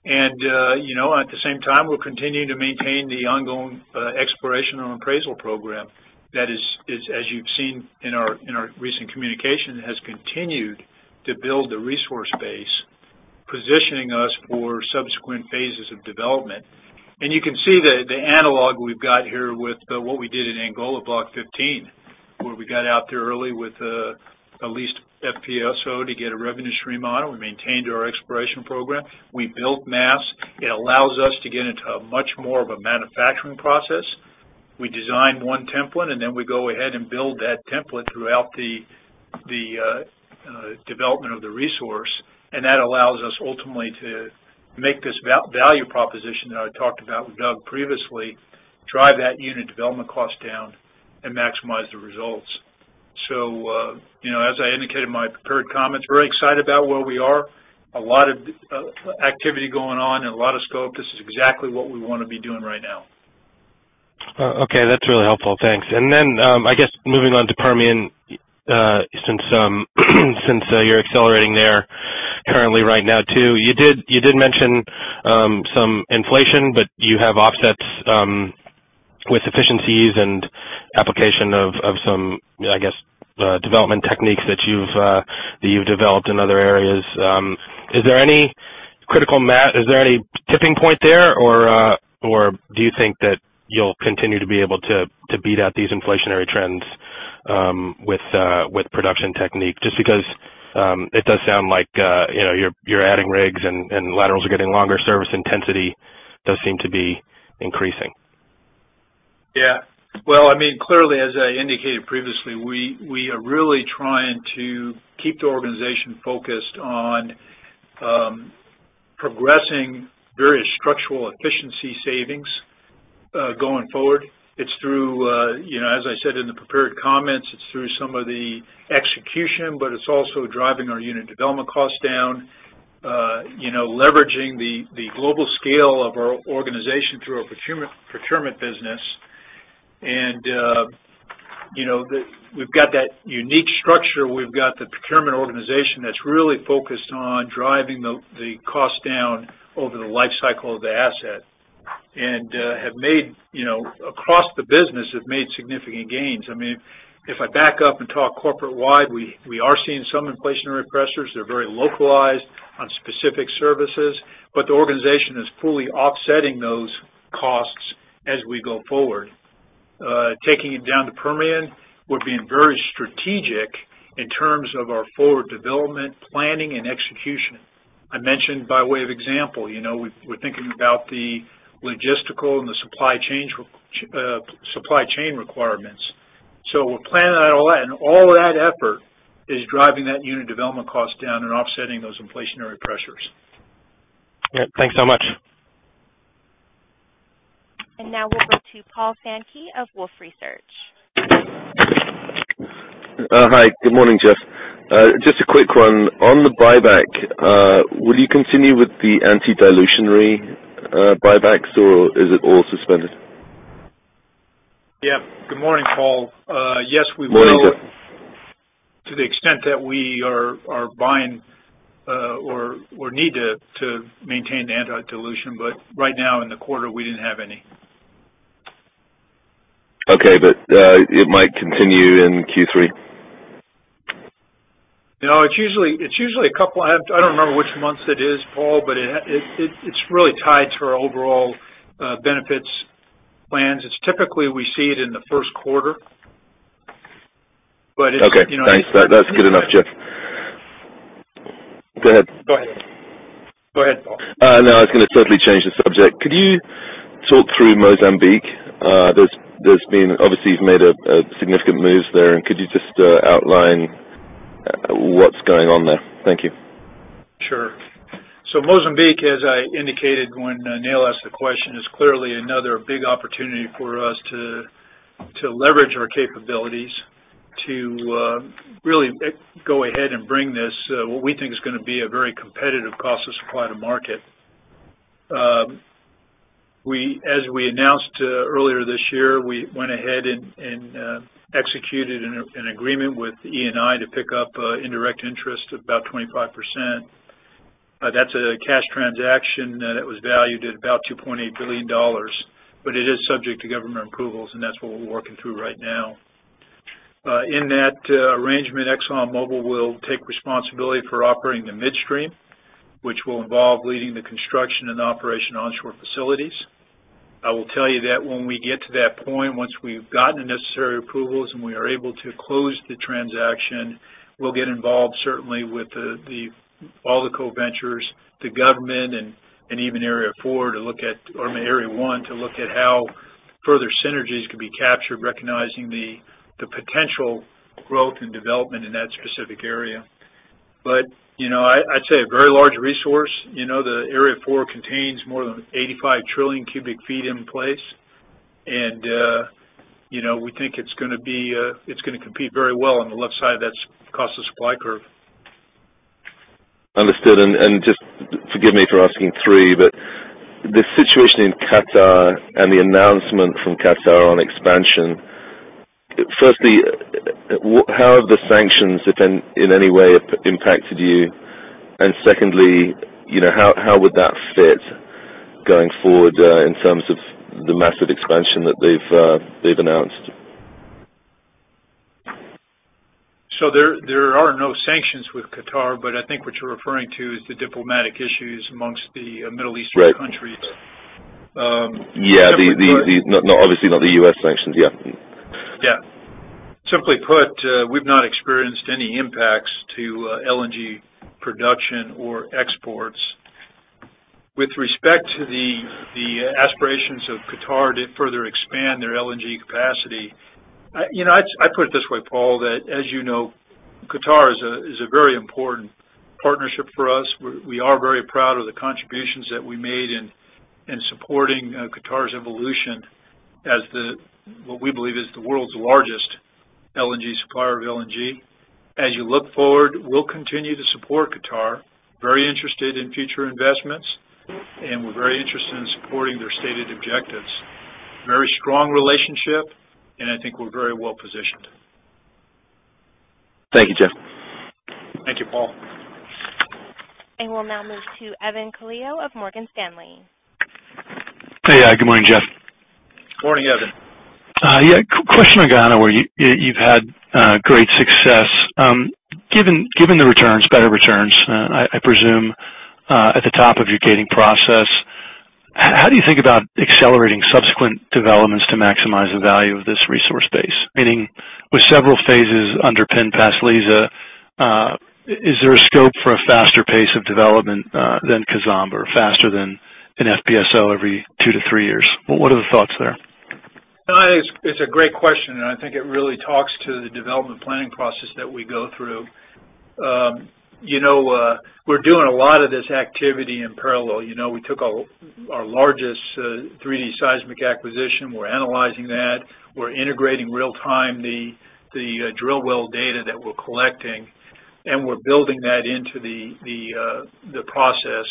At the same time, we're continuing to maintain the ongoing exploration and appraisal program. That is, as you've seen in our recent communication, has continued to build the resource base, positioning us for subsequent phases of development. You can see the analog we've got here with what we did in Angola, Block 15, where we got out there early with a leased FPSO to get a revenue stream on. We maintained our exploration program. We built mass. It allows us to get into a much more of a manufacturing process. We design one template, then we go ahead and build that template throughout the development of the resource. That allows us ultimately to make this value proposition that I talked about with Doug previously, drive that unit development cost down, and maximize the results. As I indicated in my prepared comments, very excited about where we are. A lot of activity going on and a lot of scope. This is exactly what we want to be doing right now. Okay. That's really helpful. Thanks. I guess moving on to Permian, since you're accelerating there currently right now too. You did mention some inflation, but you have offsets with efficiencies and application of some development techniques that you've developed in other areas. Is there any critical mass? Is there any tipping point there? Do you think that you'll continue to be able to beat out these inflationary trends with production technique? Just because it does sound like you're adding rigs and laterals are getting longer. Service intensity does seem to be increasing. Yeah. Well, clearly, as I indicated previously, we are really trying to keep the organization focused on progressing various structural efficiency savings going forward. It's through, as I said in the prepared comments, it's through some of the execution, it's also driving our unit development costs down. Leveraging the global scale of our organization through our procurement business. We've got that unique structure. We've got the procurement organization that's really focused on driving the cost down over the life cycle of the asset, and have made across the business significant gains. If I back up and talk corporate wide, we are seeing some inflationary pressures. They're very localized on specific services, the organization is fully offsetting those costs as we go forward. Taking it down to Permian, we're being very strategic in terms of our forward development planning and execution. I mentioned by way of example, we're thinking about the logistical and the supply chain requirements. We're planning out all that, all that effort is driving that unit development cost down and offsetting those inflationary pressures. Yeah. Thanks so much. Now we'll go to Paul Sankey of Wolfe Research. Hi. Good morning, Jeff. Just a quick one. On the buyback, will you continue with the anti-dilutionary buybacks, or is it all suspended? Yeah. Good morning, Paul. Yes, we will. Morning, Jeff. to the extent that we are buying or need to maintain the anti-dilution. Right now, in the quarter, we didn't have any. Okay. It might continue in Q3? It's usually a couple I don't remember which months it is, Paul, but it's really tied to our overall benefits plans. It's typically we see it in the first quarter. Okay. That's good enough, Jeff. Go ahead. Go ahead. Go ahead, Paul. I was going to totally change the subject. Could you talk through Mozambique? There's been, obviously, you've made significant moves there, and could you just outline what's going on there? Thank you. Sure. Mozambique, as I indicated when Neil asked the question, is clearly another big opportunity for us to leverage our capabilities to really go ahead and bring this, what we think is going to be a very competitive cost of supply to market. As we announced earlier this year, we went ahead and executed an agreement with Eni to pick up indirect interest of about 25%. That's a cash transaction that was valued at about $2.8 billion. It is subject to government approvals, and that's what we're working through right now. In that arrangement, ExxonMobil will take responsibility for operating the midstream, which will involve leading the construction and operation onshore facilities. I will tell you that when we get to that point, once we've gotten the necessary approvals and we are able to close the transaction, we'll get involved, certainly, with all the co-ventures, the government, and even Area 4, to look at or Area 1 to look at how further synergies could be captured, recognizing the potential growth and development in that specific area. I'd say a very large resource. Area 4 contains more than 85 trillion cubic feet in place. We think it's going to compete very well on the left side of that cost of supply curve. Understood. Just forgive me for asking three, but the situation in Qatar and the announcement from Qatar on expansion. Firstly, how have the sanctions, if in any way, impacted you? Secondly, how would that fit going forward, in terms of the massive expansion that they've announced? There are no sanctions with Qatar. I think what you're referring to is the diplomatic issues amongst the Middle Eastern countries. Right. Yeah. Obviously not the U.S. sanctions. Yeah. Yeah. Simply put, we've not experienced any impacts to LNG production or exports. With respect to the aspirations of Qatar to further expand their LNG capacity, I put it this way, Paul, that as you know, Qatar is a very important partnership for us. We are very proud of the contributions that we made in supporting Qatar's evolution as the, what we believe is the world's largest LNG supplier of LNG. As you look forward, we'll continue to support Qatar. Very interested in future investments, and we're very interested in supporting their stated objectives. Very strong relationship, and I think we're very well-positioned. Thank you, Jeff. Thank you, Paul. We'll now move to Evan Calio of Morgan Stanley. Hey. Good morning, Jeff. Morning, Evan. Yeah. Question on Guyana, where you've had great success. Given the returns, better returns, I presume, at the top of your gating process, how do you think about accelerating subsequent developments to maximize the value of this resource base? Meaning with several phases underpinned Payara, is there a scope for a faster pace of development, than Kizomba, faster than an FPSO every two to three years? What are the thoughts there? It's a great question, and I think it really talks to the development planning process that we go through. We're doing a lot of this activity in parallel. We took our largest 3D seismic acquisition. We're analyzing that. We're integrating real-time, the drill well data that we're collecting, and we're building that into the process.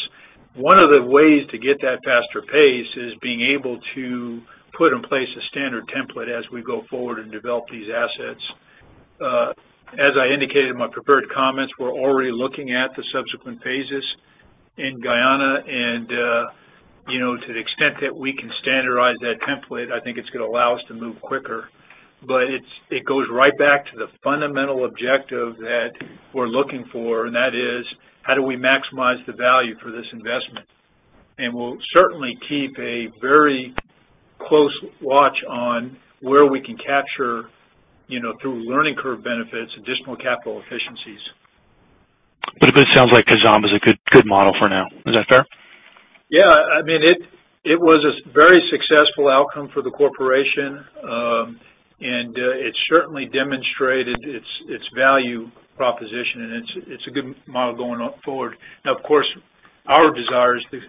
One of the ways to get that faster pace is being able to put in place a standard template as we go forward and develop these assets. As I indicated in my prepared comments, we're already looking at the subsequent phases in Guyana. To the extent that we can standardize that template, I think it's going to allow us to move quicker. It goes right back to the fundamental objective that we're looking for, and that is, how do we maximize the value for this investment? We'll certainly keep a very close watch on where we can capture through learning curve benefits, additional capital efficiencies. It sounds like Kizomba is a good model for now. Is that fair? Yeah. It was a very successful outcome for the corporation. It certainly demonstrated its value proposition, and it's a good model going forward. Of course, our desire is to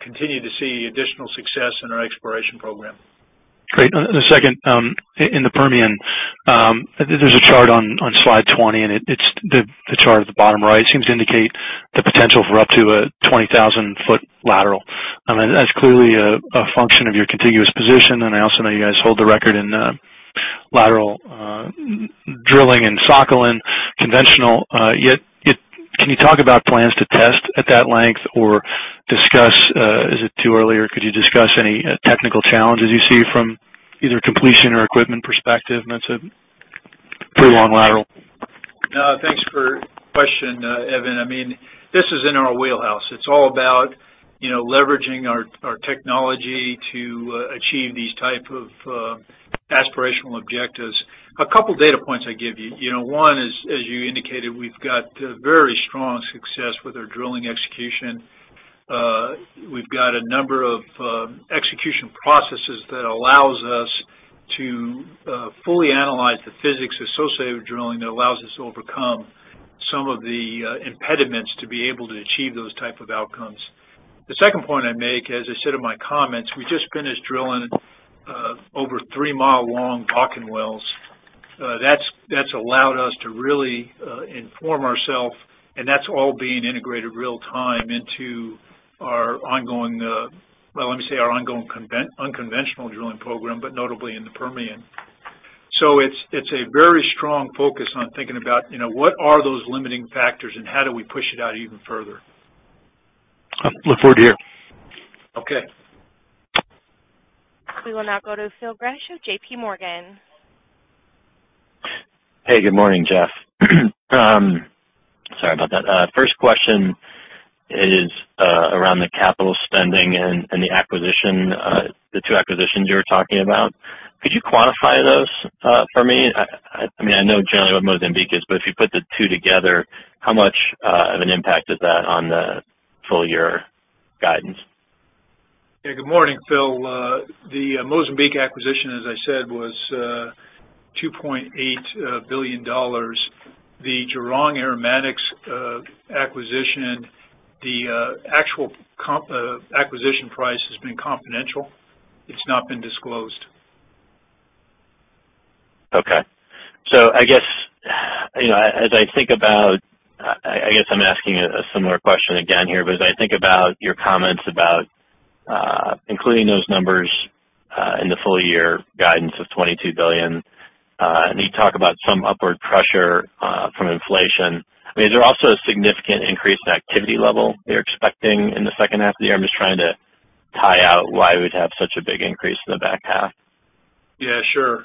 continue to see additional success in our exploration program. Great. The second, in the Permian, there's a chart on slide 20, the chart at the bottom right seems to indicate the potential for up to a 20,000-foot lateral. That's clearly a function of your contiguous position. I also know you guys hold the record in lateral drilling in Sakhalin conventional. Can you talk about plans to test at that length or discuss, is it too early, or could you discuss any technical challenges you see from either completion or equipment perspective? That's a pretty long lateral. Thanks for the question, Evan. This is in our wheelhouse. It's all about leveraging our technology to achieve these type of aspirational objectives. A couple of data points I give you. One is, as you indicated, we've got very strong success with our drilling execution. We've got a number of execution processes that allows us to fully analyze the physics associated with drilling. That allows us to overcome some of the impediments to be able to achieve those type of outcomes. The second point I make, as I said in my comments, we just finished drilling over three-mile-long Bakken wells. That's allowed us to really inform ourself, and that's all being integrated real time into our ongoing unconventional drilling program, but notably in the Permian. It's a very strong focus on thinking about, what are those limiting factors and how do we push it out even further? I look forward to hear. Okay. We will now go to Phil Gresh of JPMorgan. Hey, good morning, Jeff. Sorry about that. First question is around the capital spending and the two acquisitions you were talking about. Could you quantify those for me? I know generally what Mozambique is, but if you put the two together, how much of an impact is that on the full year guidance? Yeah, good morning, Phil. The Mozambique acquisition, as I said, was $2.8 billion. The Jurong Aromatics acquisition, the actual acquisition price has been confidential. It's not been disclosed. I guess I'm asking a similar question again here, but as I think about your comments about including those numbers in the full year guidance of $22 billion, and you talk about some upward pressure from inflation, I mean, is there also a significant increase in activity level that you're expecting in the second half of the year? I'm just trying to tie out why we'd have such a big increase in the back half. Yeah, sure.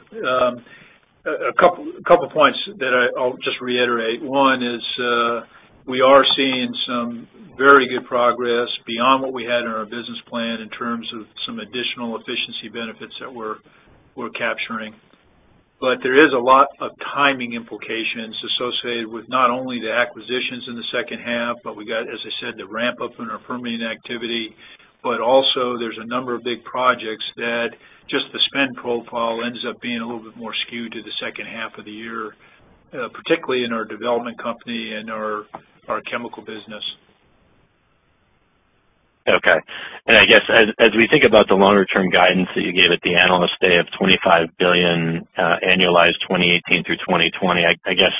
A couple of points that I'll just reiterate. One is we are seeing some very good progress beyond what we had in our business plan in terms of some additional efficiency benefits that we're capturing. There is a lot of timing implications associated with not only the acquisitions in the second half, but we got, as I said, the ramp-up in our Permian activity, but also there's a number of big projects that just the spend profile ends up being a little bit more skewed to the second half of the year, particularly in our development company and our chemical business. Okay. I guess as we think about the longer-term guidance that you gave at the Analyst Day of $25 billion annualized 2018 through 2020, I guess,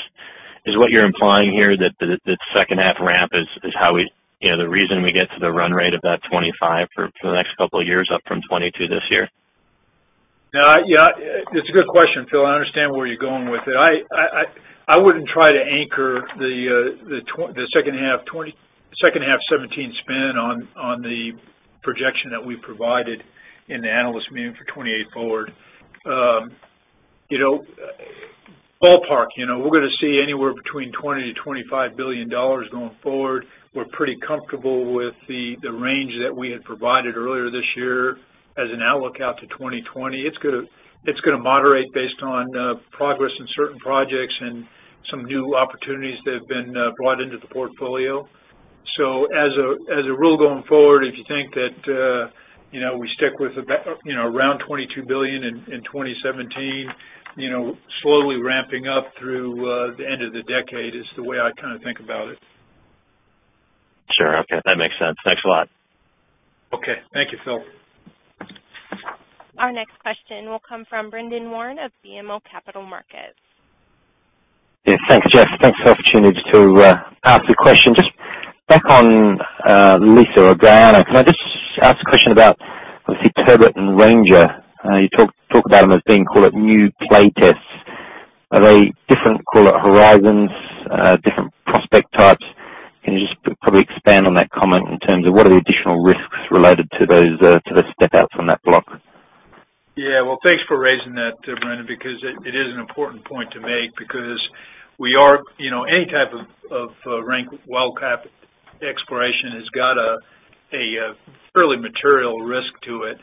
is what you're implying here that the second half ramp is the reason we get to the run rate of that 25 for the next couple of years up from 22 this year? Yeah. It's a good question, Phil. I understand where you're going with it. I wouldn't try to anchor the second half 2017 spend on the projection that we provided in the analyst meeting for 2018 forward. Ballpark, we're going to see anywhere between $20 billion-$25 billion going forward. We're pretty comfortable with the range that we had provided earlier this year as an outlook out to 2020. It's going to moderate based on progress in certain projects and some new opportunities that have been brought into the portfolio. As a rule going forward, if you think that we stick with around $22 billion in 2017, slowly ramping up through the end of the decade is the way I think about it. Sure. Okay. That makes sense. Thanks a lot. Okay. Thank you, Phil. Our next question will come from Brendan Warn of BMO Capital Markets. Yes, thanks, Jeff. Thanks for the opportunity to ask a question. Just back on Liza or Guyana, can I just ask a question about, let's see, Turbot and Ranger? You talked about them as being, call it new play tests. Are they different, call it horizons, different prospect types? Can you just probably expand on that comment in terms of what are the additional risks related to those step-outs on that block? Yeah. Well, thanks for raising that, Brendan, because it is an important point to make, because any type of rank well cap exploration has got a fairly material risk to it.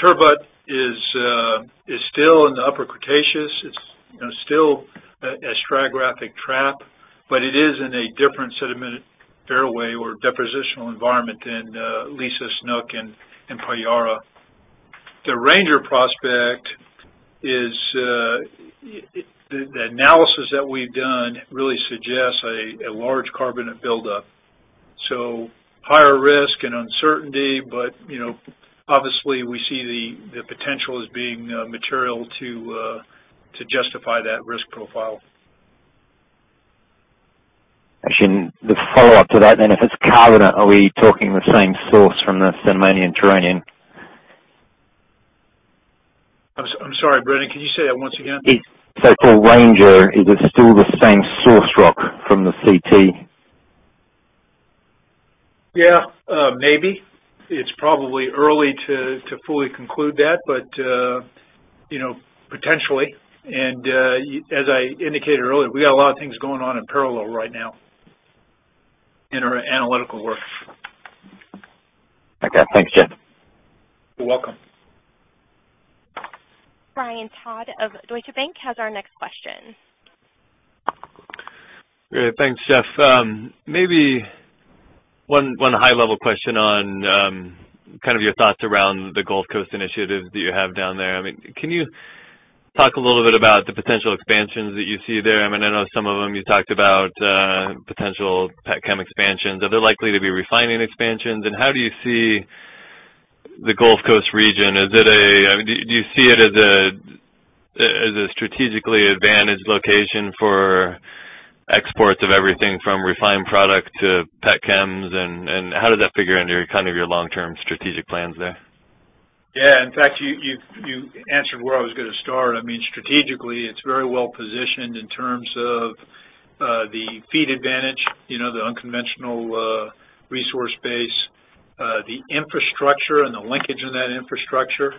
Turbot is still in the Upper Cretaceous. It's still a stratigraphic trap, but it is in a different sediment fairway or depositional environment than Liza, Snoek, and Payara. The Ranger prospect, the analysis that we've done really suggests a large carbonate buildup. Higher risk and uncertainty, but obviously we see the potential as being material to justify that risk profile. Actually, the follow-up to that then, if it's carbonate, are we talking the same source from the Cenomanian-Turonian? I'm sorry, Brendan, can you say that once again? For Ranger, is it still the same source rock from the C-T? Yeah. Maybe. It's probably early to fully conclude that, but potentially. As I indicated earlier, we got a lot of things going on in parallel right now in our analytical work. Okay. Thanks, Jeff. You're welcome. Brian Todd of Deutsche Bank has our next question. Great. Thanks, Jeff. Maybe one high-level question on your thoughts around the Gulf Coast Initiative that you have down there. Can you talk a little bit about the potential expansions that you see there? I know some of them you talked about potential petchem expansions. Are there likely to be refining expansions? How do you see the Gulf Coast region? Do you see it as a strategically advantaged location for exports of everything from refined product to pet chems. How does that figure into your long-term strategic plans there? Yeah. In fact, you answered where I was going to start. Strategically, it's very well-positioned in terms of the feed advantage, the unconventional resource base, the infrastructure and the linkage in that infrastructure,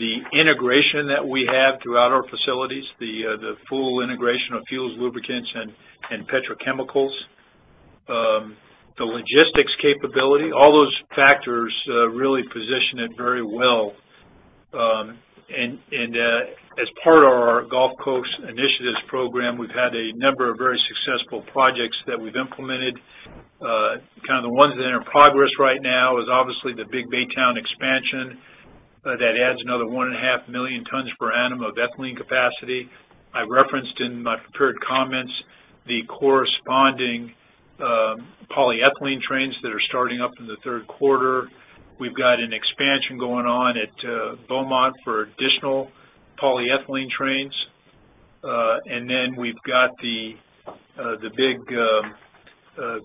the integration that we have throughout our facilities, the full integration of fuels, lubricants, and petrochemicals, the logistics capability. All those factors really position it very well. As part of our Gulf Coast Initiatives Program, we've had a number of very successful projects that we've implemented. The ones that are in progress right now is obviously the big Baytown expansion that adds another 1.5 million tons per annum of ethylene capacity. I referenced in my prepared comments the corresponding polyethylene trains that are starting up in the third quarter. We've got an expansion going on at Beaumont for additional polyethylene trains. We've got the big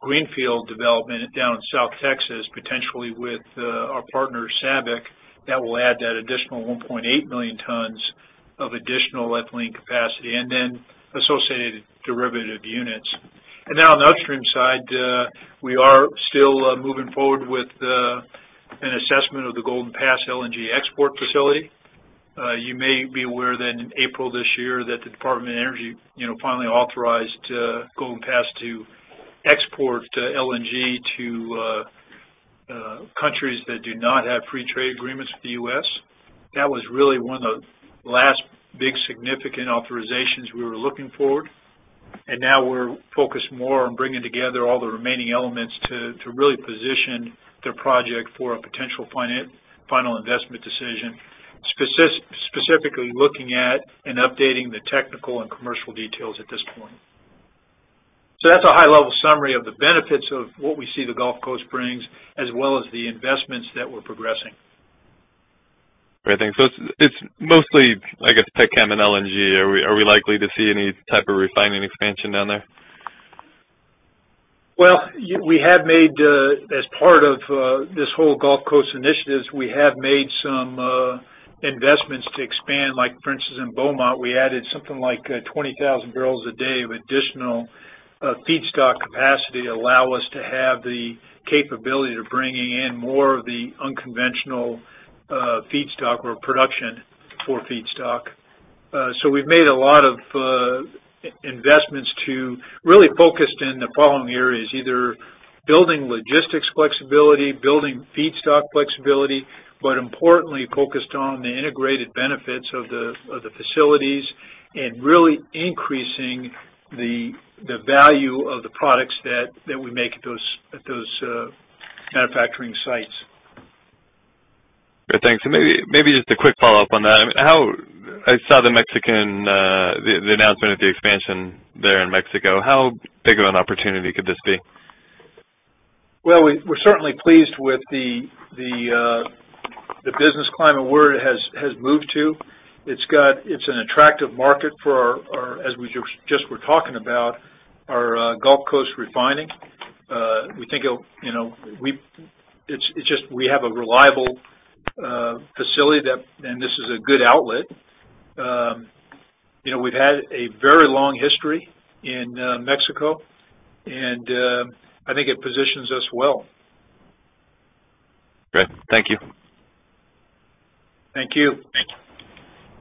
greenfield development down in South Texas, potentially with our partner, SABIC, that will add that additional 1.8 million tons of additional ethylene capacity, and then associated derivative units. On the upstream side, we are still moving forward with an assessment of the Golden Pass LNG export facility. You may be aware that in April this year that the Department of Energy finally authorized Golden Pass to export LNG to countries that do not have free trade agreements with the U.S. That was really one of the last big significant authorizations we were looking for. Now we're focused more on bringing together all the remaining elements to really position the project for a potential final investment decision, specifically looking at and updating the technical and commercial details at this point. That's a high-level summary of the benefits of what we see the Gulf Coast brings, as well as the investments that we're progressing. Great, thanks. It's mostly, I guess, pet chem and LNG. Are we likely to see any type of refining expansion down there? Well, as part of this whole Gulf Coast initiatives, we have made some investments to expand. Like for instance, in Beaumont, we added something like 20,000 barrels a day of additional feedstock capacity allow us to have the capability to bringing in more of the unconventional feedstock or production for feedstock. We've made a lot of investments to really focus in the following areas, either building logistics flexibility, building feedstock flexibility, but importantly, focused on the integrated benefits of the facilities and really increasing the value of the products that we make at those manufacturing sites. Great. Thanks. Maybe just a quick follow-up on that. I saw the announcement of the expansion there in Mexico. How big of an opportunity could this be? Well, we're certainly pleased with the business climate where it has moved to. It's an attractive market for, as we just were talking about, our Gulf Coast refining. We have a reliable facility, and this is a good outlet. We've had a very long history in Mexico, and I think it positions us well. Great. Thank you. Thank you.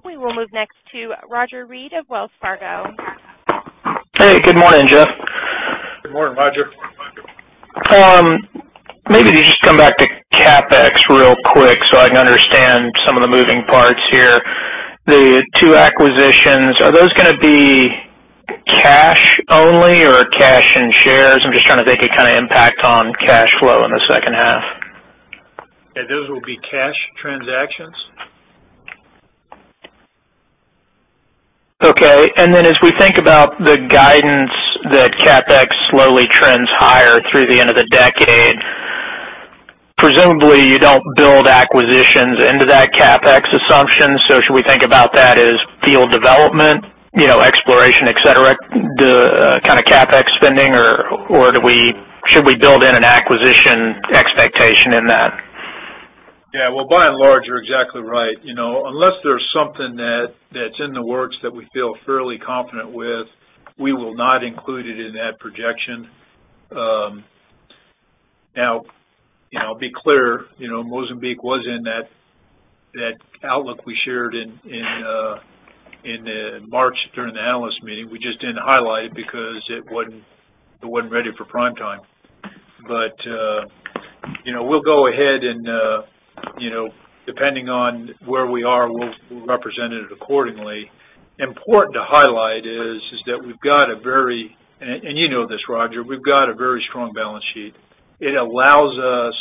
We will move next to Roger Read of Wells Fargo. Hey, good morning, Jeff. Good morning, Roger. Maybe just come back to CapEx real quick so I can understand some of the moving parts here. The two acquisitions, are those going to be cash only or cash and shares? I'm just trying to think its impact on cash flow in the second half. Yeah, those will be cash transactions. Okay. As we think about the guidance that CapEx slowly trends higher through the end of the decade, presumably you don't build acquisitions into that CapEx assumption. Should we think about that as field development, exploration, et cetera, the kind of CapEx spending, or should we build in an acquisition expectation in that? Well, by and large, you're exactly right. Unless there's something that's in the works that we feel fairly confident with, we will not include it in that projection. Be clear, Mozambique was in that outlook we shared in March during the analyst meeting. We just didn't highlight it because it wasn't ready for prime time. We'll go ahead and depending on where we are, we'll represent it accordingly. Important to highlight is that, and you know this, Roger, we've got a very strong balance sheet. It allows us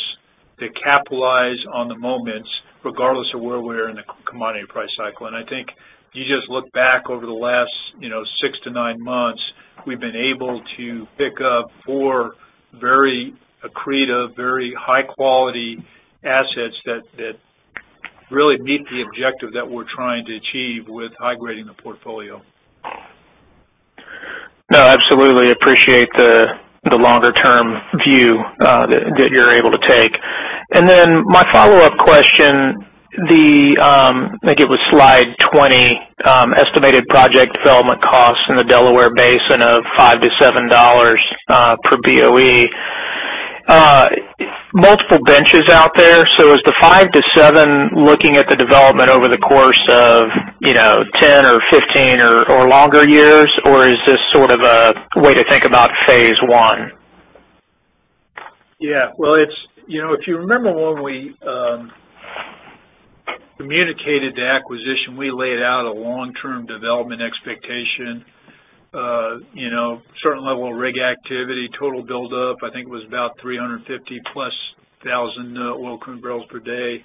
to capitalize on the moments regardless of where we are in the commodity price cycle. I think you just look back over the last 6-9 months, we've been able to pick up four very accretive, very high-quality assets that really meet the objective that we're trying to achieve with high grading the portfolio. No, absolutely appreciate the longer-term view that you're able to take. My follow-up question, I think it was slide 20, estimated project development costs in the Delaware Basin of $5-$7 per BOE. Multiple benches out there. Is the $5-$7 looking at the development over the course of 10 or 15 or longer years? Or is this sort of a way to think about phase one? Well, if you remember when we communicated the acquisition, we laid out a long-term development expectation. Certain level of rig activity, total buildup, I think it was about 350-plus thousand BOE per day.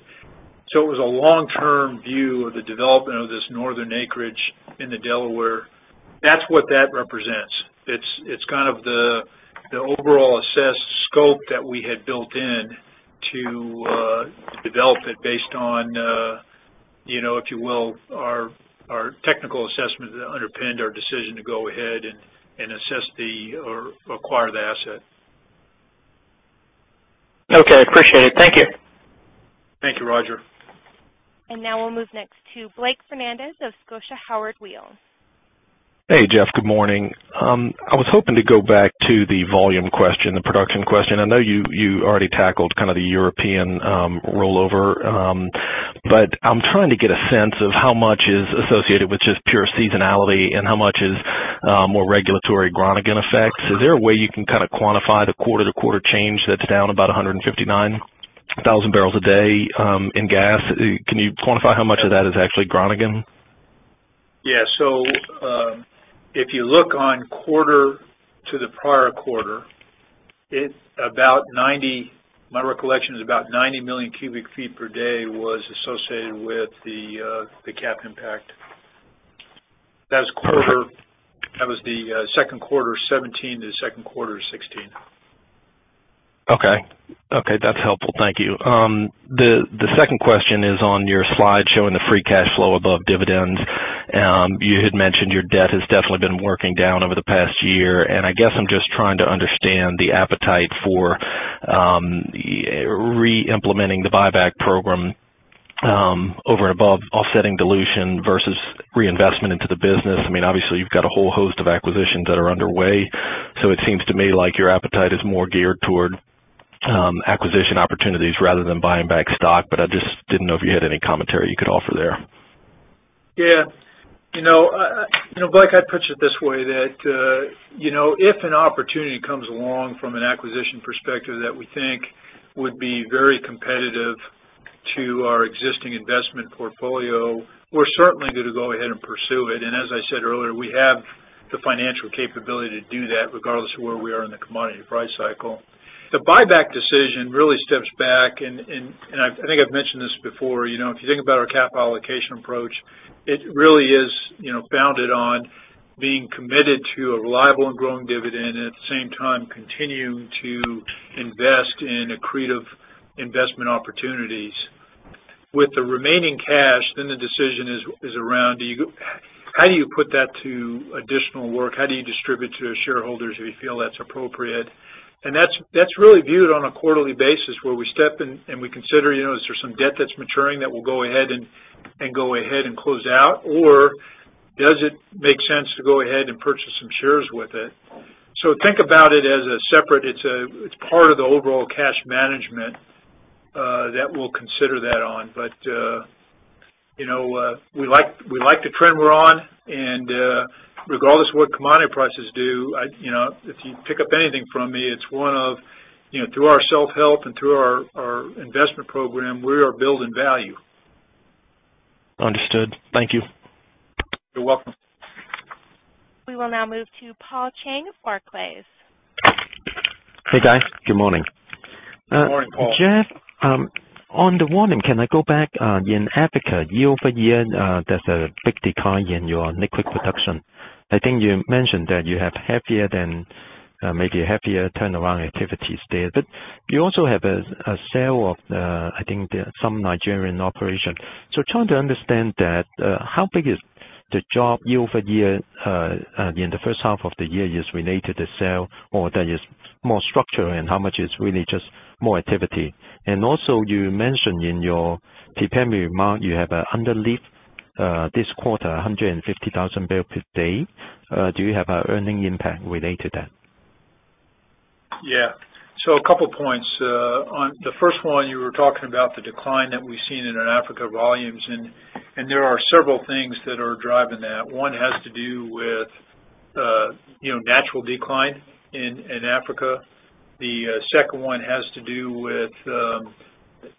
It was a long-term view of the development of this northern acreage in the Delaware. That's what that represents. It's kind of the overall assessed scope that we had built in to develop it based on, if you will, our technical assessment that underpinned our decision to go ahead and assess the or acquire the asset. Okay, appreciate it. Thank you. Thank you, Roger. Now we'll move next to Blake Fernandez of Scotia Howard Weil. Hey, Jeff. Good morning. I was hoping to go back to the volume question, the production question. I know you already tackled the European rollover. I'm trying to get a sense of how much is associated with just pure seasonality and how much is more regulatory Groningen effects. Is there a way you can quantify the quarter-to-quarter change that's down about 159,000 barrels a day in gas? Can you quantify how much of that is actually Groningen? Yeah. If you look on quarter to the prior quarter, my recollection is about 90 million cubic feet per day was associated with the cap impact. That was the second quarter 2017 to second quarter 2016. Okay. That's helpful. Thank you. The second question is on your slide showing the free cash flow above dividends. You had mentioned your debt has definitely been working down over the past year, I guess I'm just trying to understand the appetite for re-implementing the buyback program, over and above offsetting dilution versus reinvestment into the business. Obviously, you've got a whole host of acquisitions that are underway, it seems to me like your appetite is more geared toward acquisition opportunities rather than buying back stock, I just didn't know if you had any commentary you could offer there. Yeah. Blake, I'd put it this way, that if an opportunity comes along from an acquisition perspective that we think would be very competitive to our existing investment portfolio, we're certainly going to go ahead and pursue it. As I said earlier, we have the financial capability to do that regardless of where we are in the commodity price cycle. The buyback decision really steps back, I think I've mentioned this before, if you think about our cap allocation approach, it really is bounded on being committed to a reliable and growing dividend, at the same time, continuing to invest in accretive investment opportunities. With the remaining cash, the decision is around how do you put that to additional work? How do you distribute to your shareholders if you feel that's appropriate? That's really viewed on a quarterly basis where we step in and we consider, is there some debt that's maturing that we'll go ahead and close out? Does it make sense to go ahead and purchase some shares with it? Think about it as a separate, it's part of the overall cash management, that we'll consider that on. We like the trend we're on, and regardless of what commodity prices do, if you pick up anything from me, it's one of through our self-help and through our investment program, we are building value. Understood. Thank you. You're welcome. We will now move to Paul Cheng of Barclays. Hey, guys. Good morning. Good morning, Paul. Jeff, on the warning, can I go back, in Africa, year-over-year, there's a big decline in your liquid production. I think you mentioned that you have heavier than maybe heavier turnaround activities there. You also have a sale of, I think some Nigerian operation. Trying to understand that, how big is the drop year-over-year, in the first half of the year is related to sale or that is more structure and how much is really just more activity? Also you mentioned in your prepared remark, you have underlift, this quarter, 150,000 barrel per day. Do you have an earning impact related to that? Yeah. A couple points. On the first one, you were talking about the decline that we've seen in our Africa volumes, there are several things that are driving that. One has to do with natural decline in Africa. The second one has to do with,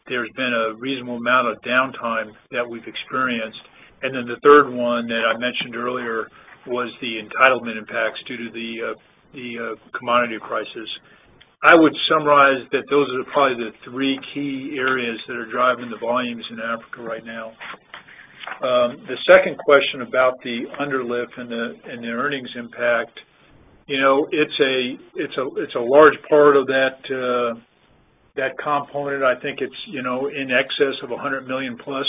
there's been a reasonable amount of downtime that we've experienced. Then the third one that I mentioned earlier was the entitlement impacts due to the commodity crisis. I would summarize that those are probably the three key areas that are driving the volumes in Africa right now. The second question about the underlift and the earnings impact. It's a large part of that component. I think it's in excess of $100 million plus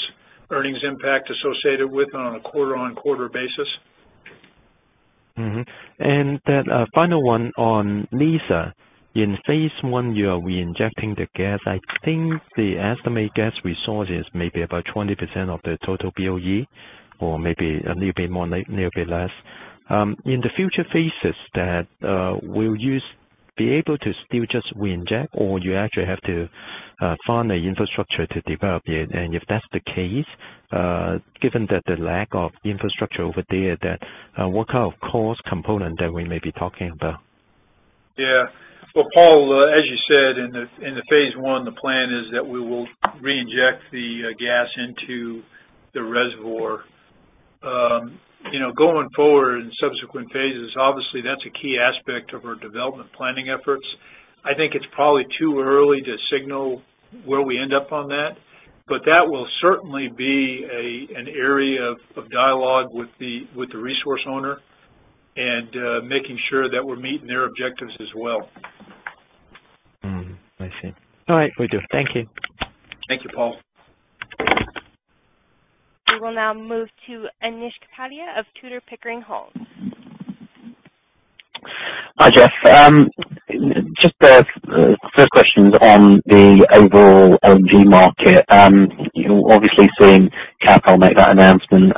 earnings impact associated with it on a quarter-on-quarter basis. Mm-hmm. That final one on Liza. In phase 1, you are reinjecting the gas. I think the estimated gas resources may be about 20% of the total BOE, or maybe a little bit more, little bit less. In the future phases, will you be able to still just reinject, or you actually have to fund the infrastructure to develop it? If that's the case, given that the lack of infrastructure over there, what kind of cost component that we may be talking about? Yeah. Well, Paul, as you said, in the phase 1, the plan is that we will reinject the gas into the reservoir. Going forward in subsequent phases, obviously, that's a key aspect of our development planning efforts. I think it's probably too early to signal where we end up on that. That will certainly be an area of dialogue with the resource owner and making sure that we're meeting their objectives as well. Mm-hmm. I see. All right. Will do. Thank you. Thank you, Paul. We will now move to Anish Kapadia of Tudor, Pickering, Holt. Hi, Jeff. Just a first question on the overall LNG market. You're obviously seeing Qatar make that announcement,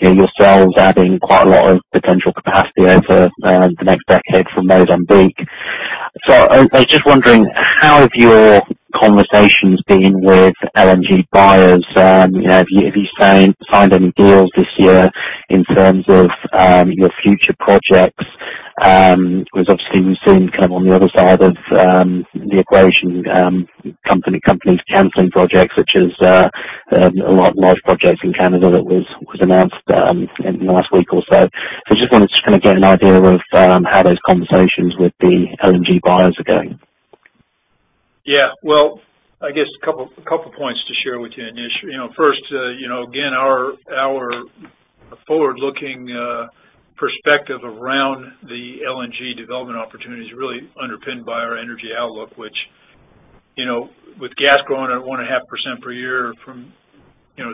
yourselves adding quite a lot of potential capacity over the next decade from Mozambique. I was just wondering, how have your conversations been with LNG buyers? Have you signed any deals this year in terms of your future projects? Obviously we've seen kind of on the other side of the equation, companies canceling projects, which is a large project in Canada that was announced in the last week or so. I just wanted to get an idea of how those conversations with the LNG buyers are going. Well, I guess a couple points to share with you, Anish. First, again, our forward-looking perspective around the LNG development opportunity is really underpinned by our energy outlook, which with gas growing at 1.5% per year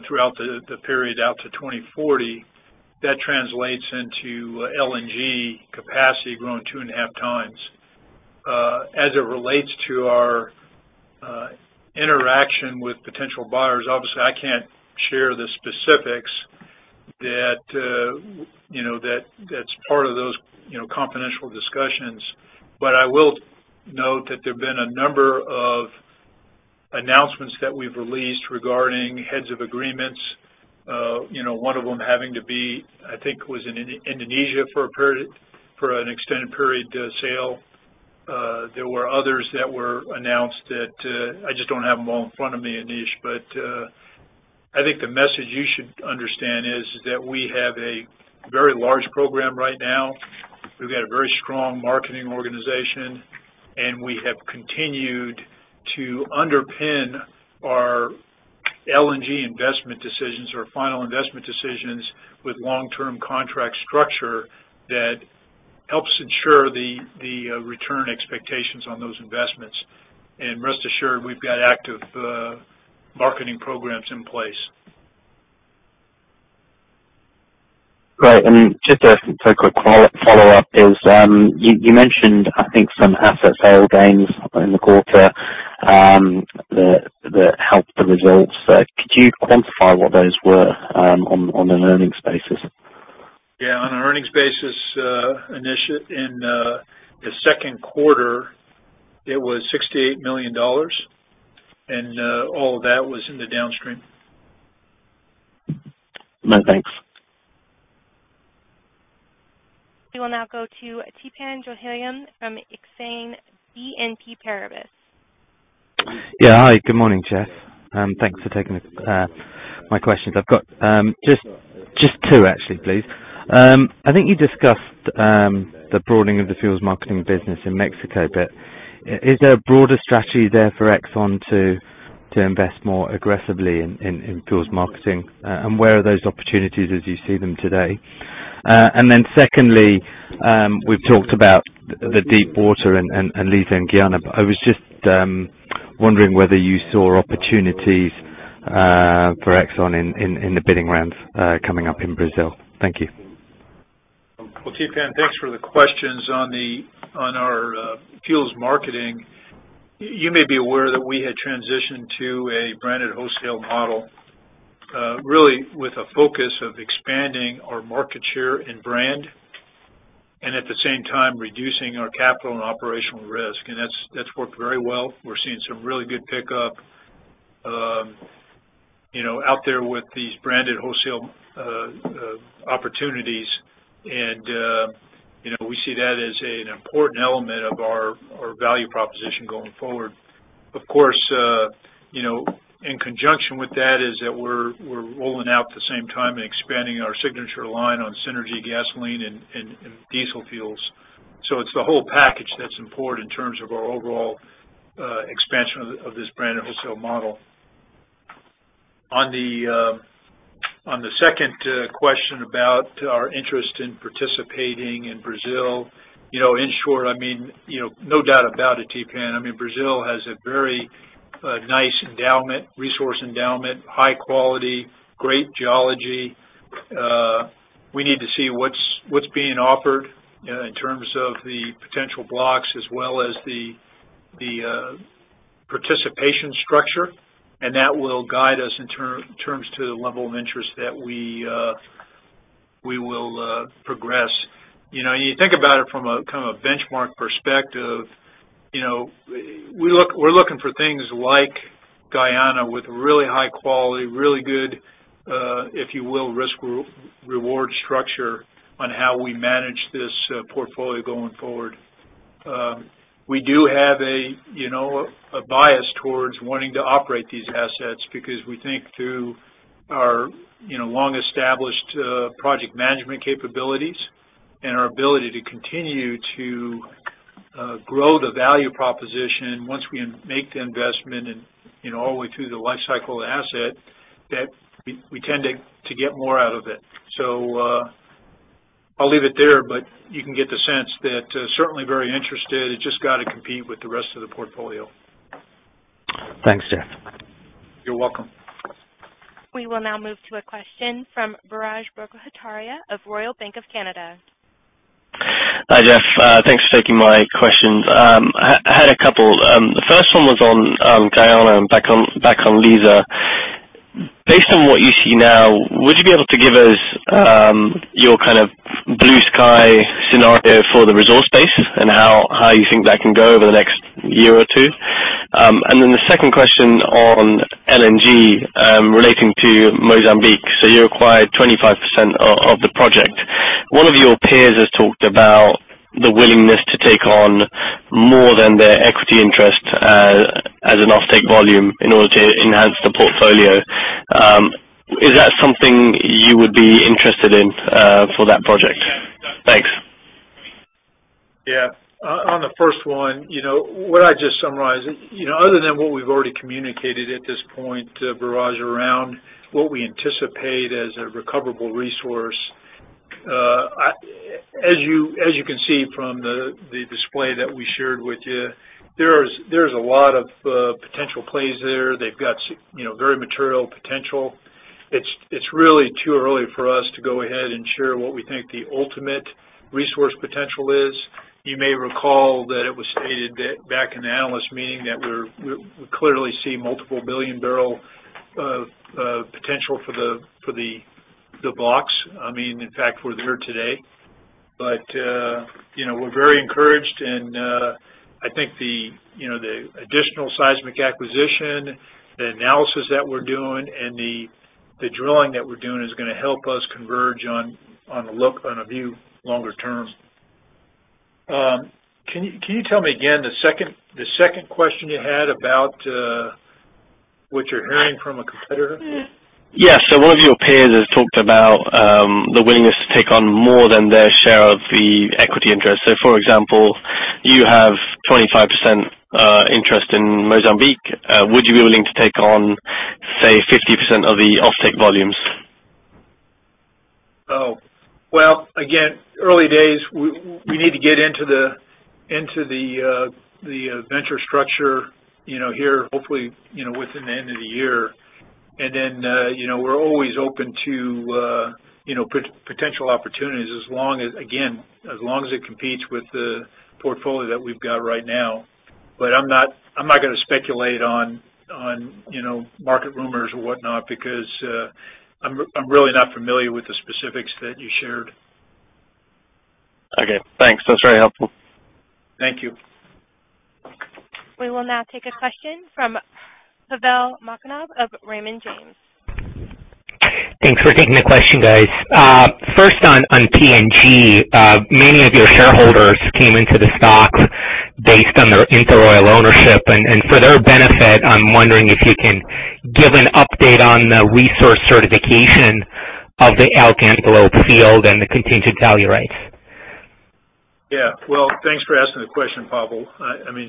throughout the period out to 2040, that translates into LNG capacity growing two and a half times. As it relates to our interaction with potential buyers, obviously, I can't share the specifics. That's part of those confidential discussions. I will note that there've been a number of announcements that we've released regarding heads of agreements. One of them having to be, I think it was in Indonesia for an extended period sale. There were others that were announced that I just don't have them all in front of me, Anish. I think the message you should understand is that we have a very large program right now. We've got a very strong marketing organization, and we have continued to underpin our LNG investment decisions or final investment decisions with long-term contract structure that helps ensure the return expectations on those investments. Rest assured, we've got active marketing programs in place. Great. Just a quick follow-up is, you mentioned, I think, some asset sale gains in the quarter that helped the results. Could you quantify what those were on an earnings basis? Yeah. On an earnings basis, Anish, in the second quarter, it was $68 million, and all of that was in the downstream. No, thanks. We will now go to Theepan Jothilingam from Exane BNP Paribas. Yeah. Hi. Good morning, Jeff Woodbury. Thanks for taking my questions. I've got just two, actually, please. I think you discussed the broadening of the fuels marketing business in Mexico. Is there a broader strategy there for ExxonMobil to invest more aggressively in fuels marketing? Where are those opportunities as you see them today? Secondly, we've talked about the deep water and Liza and Guyana. I was just wondering whether you saw opportunities for ExxonMobil in the bidding rounds coming up in Brazil. Thank you. Well, Theepan Jothilingam, thanks for the questions. On our fuels marketing, you may be aware that we had transitioned to a branded wholesale model, really with a focus of expanding our market share and brand, and at the same time reducing our capital and operational risk. That's worked very well. We're seeing some really good pickup out there with these branded wholesale opportunities. We see that as an important element of our value proposition going forward. Of course, in conjunction with that is that we're rolling out at the same time and expanding our signature line on Synergy gasoline and diesel fuels. It's the whole package that's important in terms of our overall expansion of this branded wholesale model. On the second question about our interest in participating in Brazil, in short, no doubt about it, Theepan Jothilingam, Brazil has a very nice resource endowment, high quality, great geology. We need to see what's being offered in terms of the potential blocks as well as the participation structure. That will guide us in terms to the level of interest that we will progress. You think about it from a kind of benchmark perspective, we're looking for things like Guyana with really high quality, really good, if you will, risk-reward structure on how we manage this portfolio going forward. We do have a bias towards wanting to operate these assets because we think through our long-established project management capabilities and our ability to continue to grow the value proposition once we make the investment and all the way through the life cycle of the asset, that we tend to get more out of it. I'll leave it there, but you can get the sense that certainly very interested. It's just got to compete with the rest of the portfolio. Thanks, Jeff. You're welcome. We will now move to a question from Biraj Borkhataria of Royal Bank of Canada. Hi, Jeff. Thanks for taking my questions. I had a couple. The first one was on Guyana and back on Liza. Based on what you see now, would you be able to give us your kind of blue sky scenario for the resource base and how you think that can go over the next year or two? The second question on LNG, relating to Mozambique. You acquired 25% of the project. One of your peers has talked about the willingness to take on more than their equity interest as an offtake volume in order to enhance the portfolio. Is that something you would be interested in for that project? Thanks. On the first one, what I just summarized, other than what we've already communicated at this point, Biraj, around what we anticipate as a recoverable resource. As you can see from the display that we shared with you, there's a lot of potential plays there. They've got very material potential. It's really too early for us to go ahead and share what we think the ultimate resource potential is. You may recall that it was stated back in the analyst meeting that we clearly see multiple billion barrel of potential for the blocks. In fact, we're there today. We're very encouraged and I think the additional seismic acquisition, the analysis that we're doing, and the drilling that we're doing is going to help us converge on a view longer term. Can you tell me again the second question you had about what you're hearing from a competitor? One of your peers has talked about the willingness to take on more than their share of the equity interest. For example, you have 25% interest in Mozambique. Would you be willing to take on, say, 50% of the offtake volumes? Well, again, early days. We need to get into the venture structure here, hopefully, within the end of the year. We're always open to potential opportunities as long as it competes with the portfolio that we've got right now. I'm not going to speculate on market rumors or whatnot because I'm really not familiar with the specifics that you shared. Thanks. That's very helpful. Thank you. We will now take a question from Pavel Molchanov of Raymond James. Thanks for taking the question, guys. First on PNG, many of your shareholders came into the stock based on their InterOil ownership, and for their benefit, I am wondering if you can give an update on the resource certification of the Antelope field and the contingent value rights. Yeah. Well, thanks for asking the question, Pavel.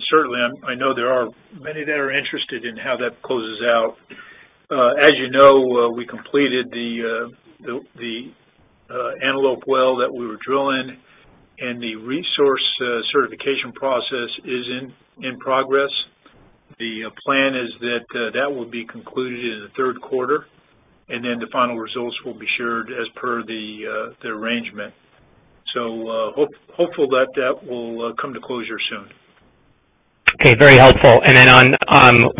Certainly, I know there are many that are interested in how that closes out. As you know, we completed the Antelope well that we were drilling, and the resource certification process is in progress. The plan is that that will be concluded in the third quarter, and then the final results will be shared as per the arrangement. Hopeful that that will come to closure soon. Okay. Very helpful.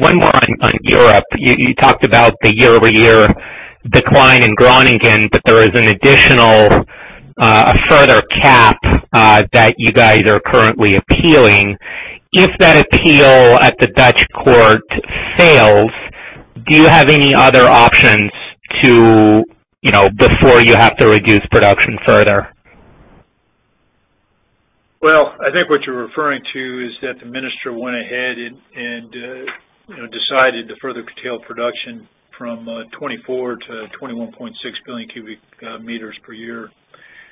One more on Europe. You talked about the year-over-year decline in Groningen, but there is an additional further cap that you guys are currently appealing. If that appeal at the Dutch court fails, do you have any other options before you have to reduce production further? Well, I think what you're referring to is that the minister went ahead and decided to further curtail production from 24 to 21.6 billion cubic meters per year.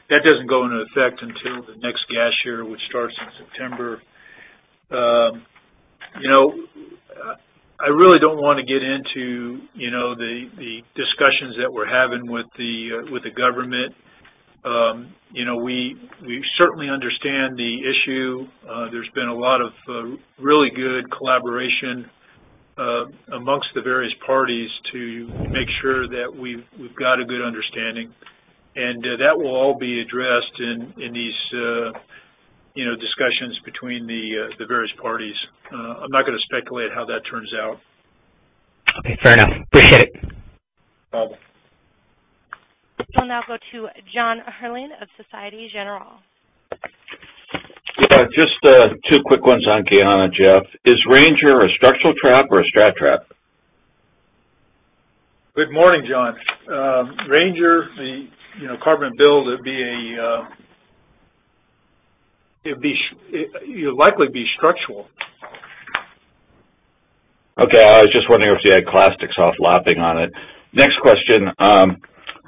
That doesn't go into effect until the next gas year, which starts in September. I really don't want to get into the discussions that we're having with the government. We certainly understand the issue. There's been a lot of really good collaboration amongst the various parties to make sure that we've got a good understanding, and that will all be addressed in these discussions between the various parties. I'm not going to speculate how that turns out. Okay, fair enough. Appreciate it. Bye-bye. We'll now go to Jon Rigby of Societe Generale. Just two quick ones on Guyana, Jeff. Is Ranger a structural trap or a strat trap? Good morning, Jon. Ranger, the carbonate buildup, it'd likely be structural. Okay. I was just wondering if you had clastics off lapping on it. Next question.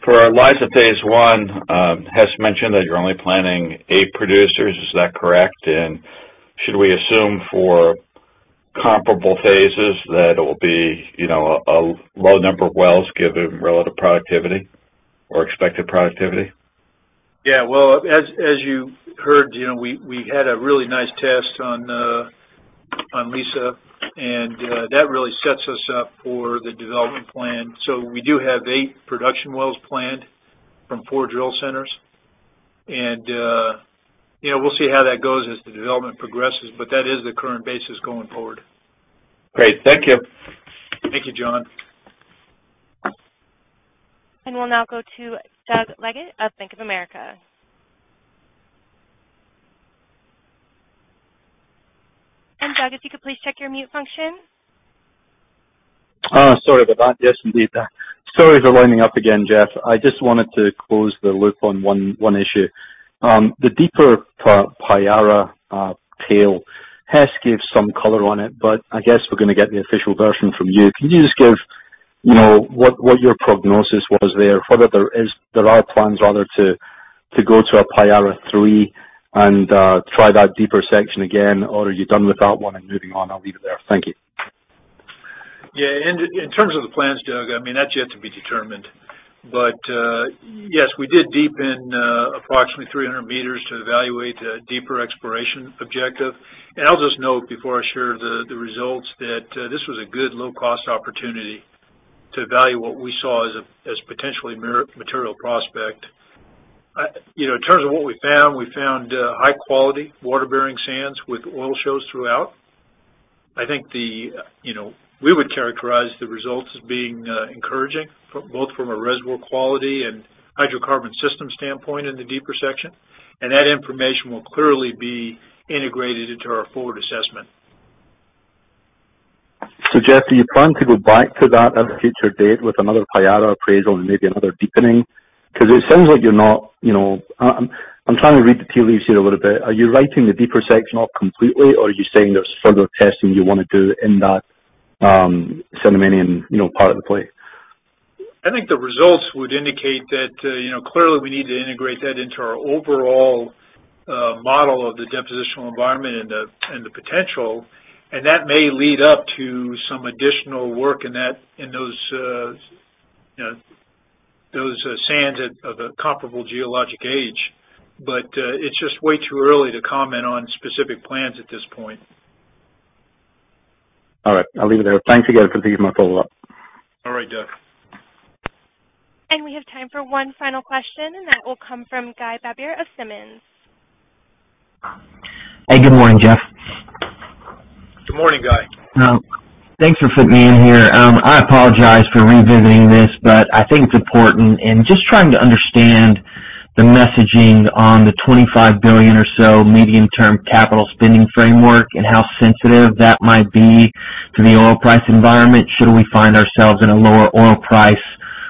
For Liza Phase One, Hess mentioned that you're only planning eight producers. Is that correct? Should we assume for comparable phases that it will be a low number of wells given relative productivity or expected productivity? Yeah. Well, as you heard, we had a really nice test on Liza, that really sets us up for the development plan. We do have eight production wells planned from four drill centers, we'll see how that goes as the development progresses, that is the current basis going forward. Great. Thank you. Thank you, Jon. We'll now go to Doug Leggate of Bank of America. Doug, if you could please check your mute function. Sorry about that. Yes, indeed. Sorry for lining up again, Jeff. I just wanted to close the loop on one issue. The deeper Payara tail. Hess gave some color on it, but I guess we're going to get the official version from you. Can you just give what your prognosis was there? Whether there are plans rather to go to a Payara 3 and try that deeper section again, or are you done with that one and moving on? I'll leave it there. Thank you. Yeah. In terms of the plans, Doug, that's yet to be determined. Yes, we did deepen approximately 300 meters to evaluate a deeper exploration objective. I'll just note before I share the results, that this was a good low-cost opportunity to evaluate what we saw as potentially material prospect. In terms of what we found, we found high-quality water-bearing sands with oil shows throughout. I think we would characterize the results as being encouraging, both from a reservoir quality and hydrocarbon system standpoint in the deeper section. That information will clearly be integrated into our forward assessment. Jeff, are you planning to go back to that at a future date with another Payara appraisal and maybe another deepening? Because it sounds like you're not I'm trying to read the tea leaves here a little bit. Are you writing the deeper section off completely, or are you saying there's further testing you want to do in that Santonian part of the play? I think the results would indicate that clearly we need to integrate that into our overall model of the depositional environment and the potential. That may lead up to some additional work in those sands of a comparable geologic age. It's just way too early to comment on specific plans at this point. All right. I'll leave it there. Thanks again. Could you give my follow-up? All right, Doug. We have time for one final question, and that will come from Guy Baber of Simmons. Hey, good morning, Jeff. Good morning, Guy. Thanks for fitting me in here. I apologize for revisiting this, but I think it's important, just trying to understand the messaging on the $25 billion or so medium-term capital spending framework and how sensitive that might be to the oil price environment should we find ourselves in a lower oil price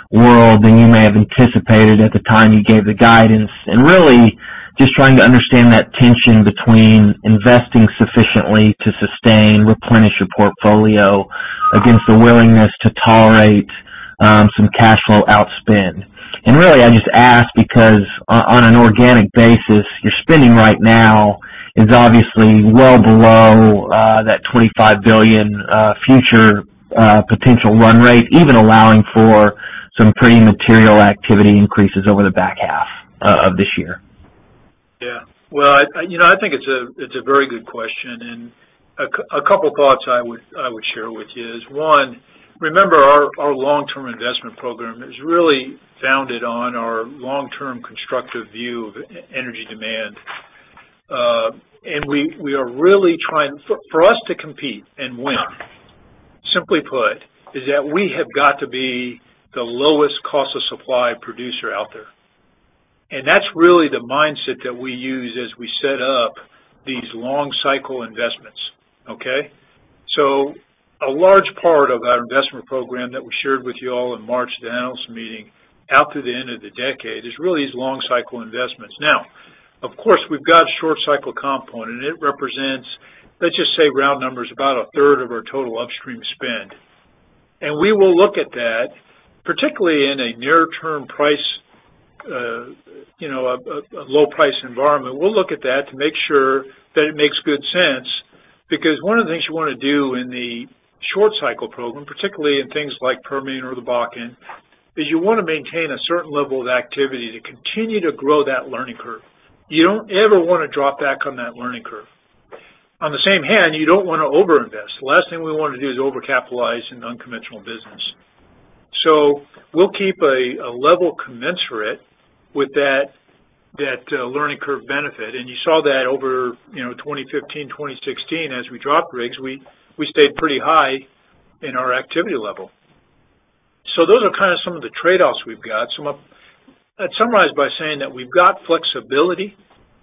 world than you may have anticipated at the time you gave the guidance. Really just trying to understand that tension between investing sufficiently to sustain, replenish your portfolio against the willingness to tolerate some cash flow outspend. Really, I just ask because on an organic basis, your spending right now is obviously well below that $25 billion future potential run rate, even allowing for some pretty material activity increases over the back half of this year. Yeah. Well, I think it's a very good question, and a couple of thoughts I would share with you is, one, remember our long-term investment program is really founded on our long-term constructive view of energy demand. For us to compete and win, simply put, is that we have got to be the lowest cost of supply producer out there. Okay? A large part of our investment program that we shared with you all in March, the announcement meeting, out through the end of the decade is really these long-cycle investments. Of course, we've got a short cycle component, and it represents, let's just say round numbers, about a third of our total upstream spend. We will look at that, particularly in a near-term price, a low price environment. We'll look at that to make sure that it makes good sense, because one of the things you want to do in the short cycle program, particularly in things like Permian or the Bakken, is you want to maintain a certain level of activity to continue to grow that learning curve. You don't ever want to drop back on that learning curve. On the same hand, you don't want to over-invest. The last thing we want to do is over-capitalize an unconventional business. We'll keep a level commensurate with that learning curve benefit. You saw that over 2015, 2016, as we dropped rigs, we stayed pretty high in our activity level. Those are kind of some of the trade-offs we've got. I'd summarize by saying that we've got flexibility.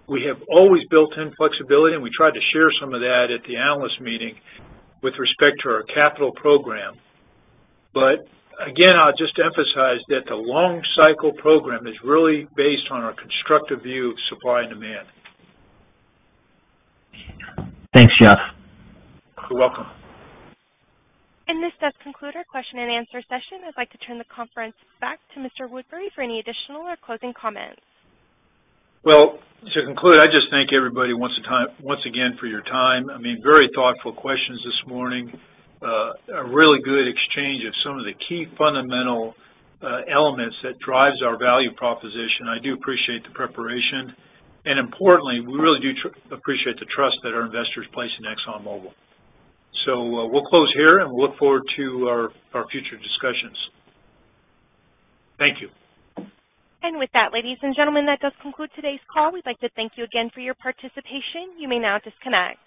We have always built in flexibility, and we tried to share some of that at the analyst meeting with respect to our capital program. Again, I'll just emphasize that the long cycle program is really based on our constructive view of supply and demand. Thanks, Jeff. You're welcome. This does conclude our question and answer session. I'd like to turn the conference back to Mr. Woodbury for any additional or closing comments. Well, to conclude, I just thank everybody once again for your time. I mean, very thoughtful questions this morning. A really good exchange of some of the key fundamental elements that drives our value proposition. I do appreciate the preparation, and importantly, we really do appreciate the trust that our investors place in ExxonMobil. We'll close here, and we'll look forward to our future discussions. Thank you. With that, ladies and gentlemen, that does conclude today's call. We'd like to thank you again for your participation. You may now disconnect.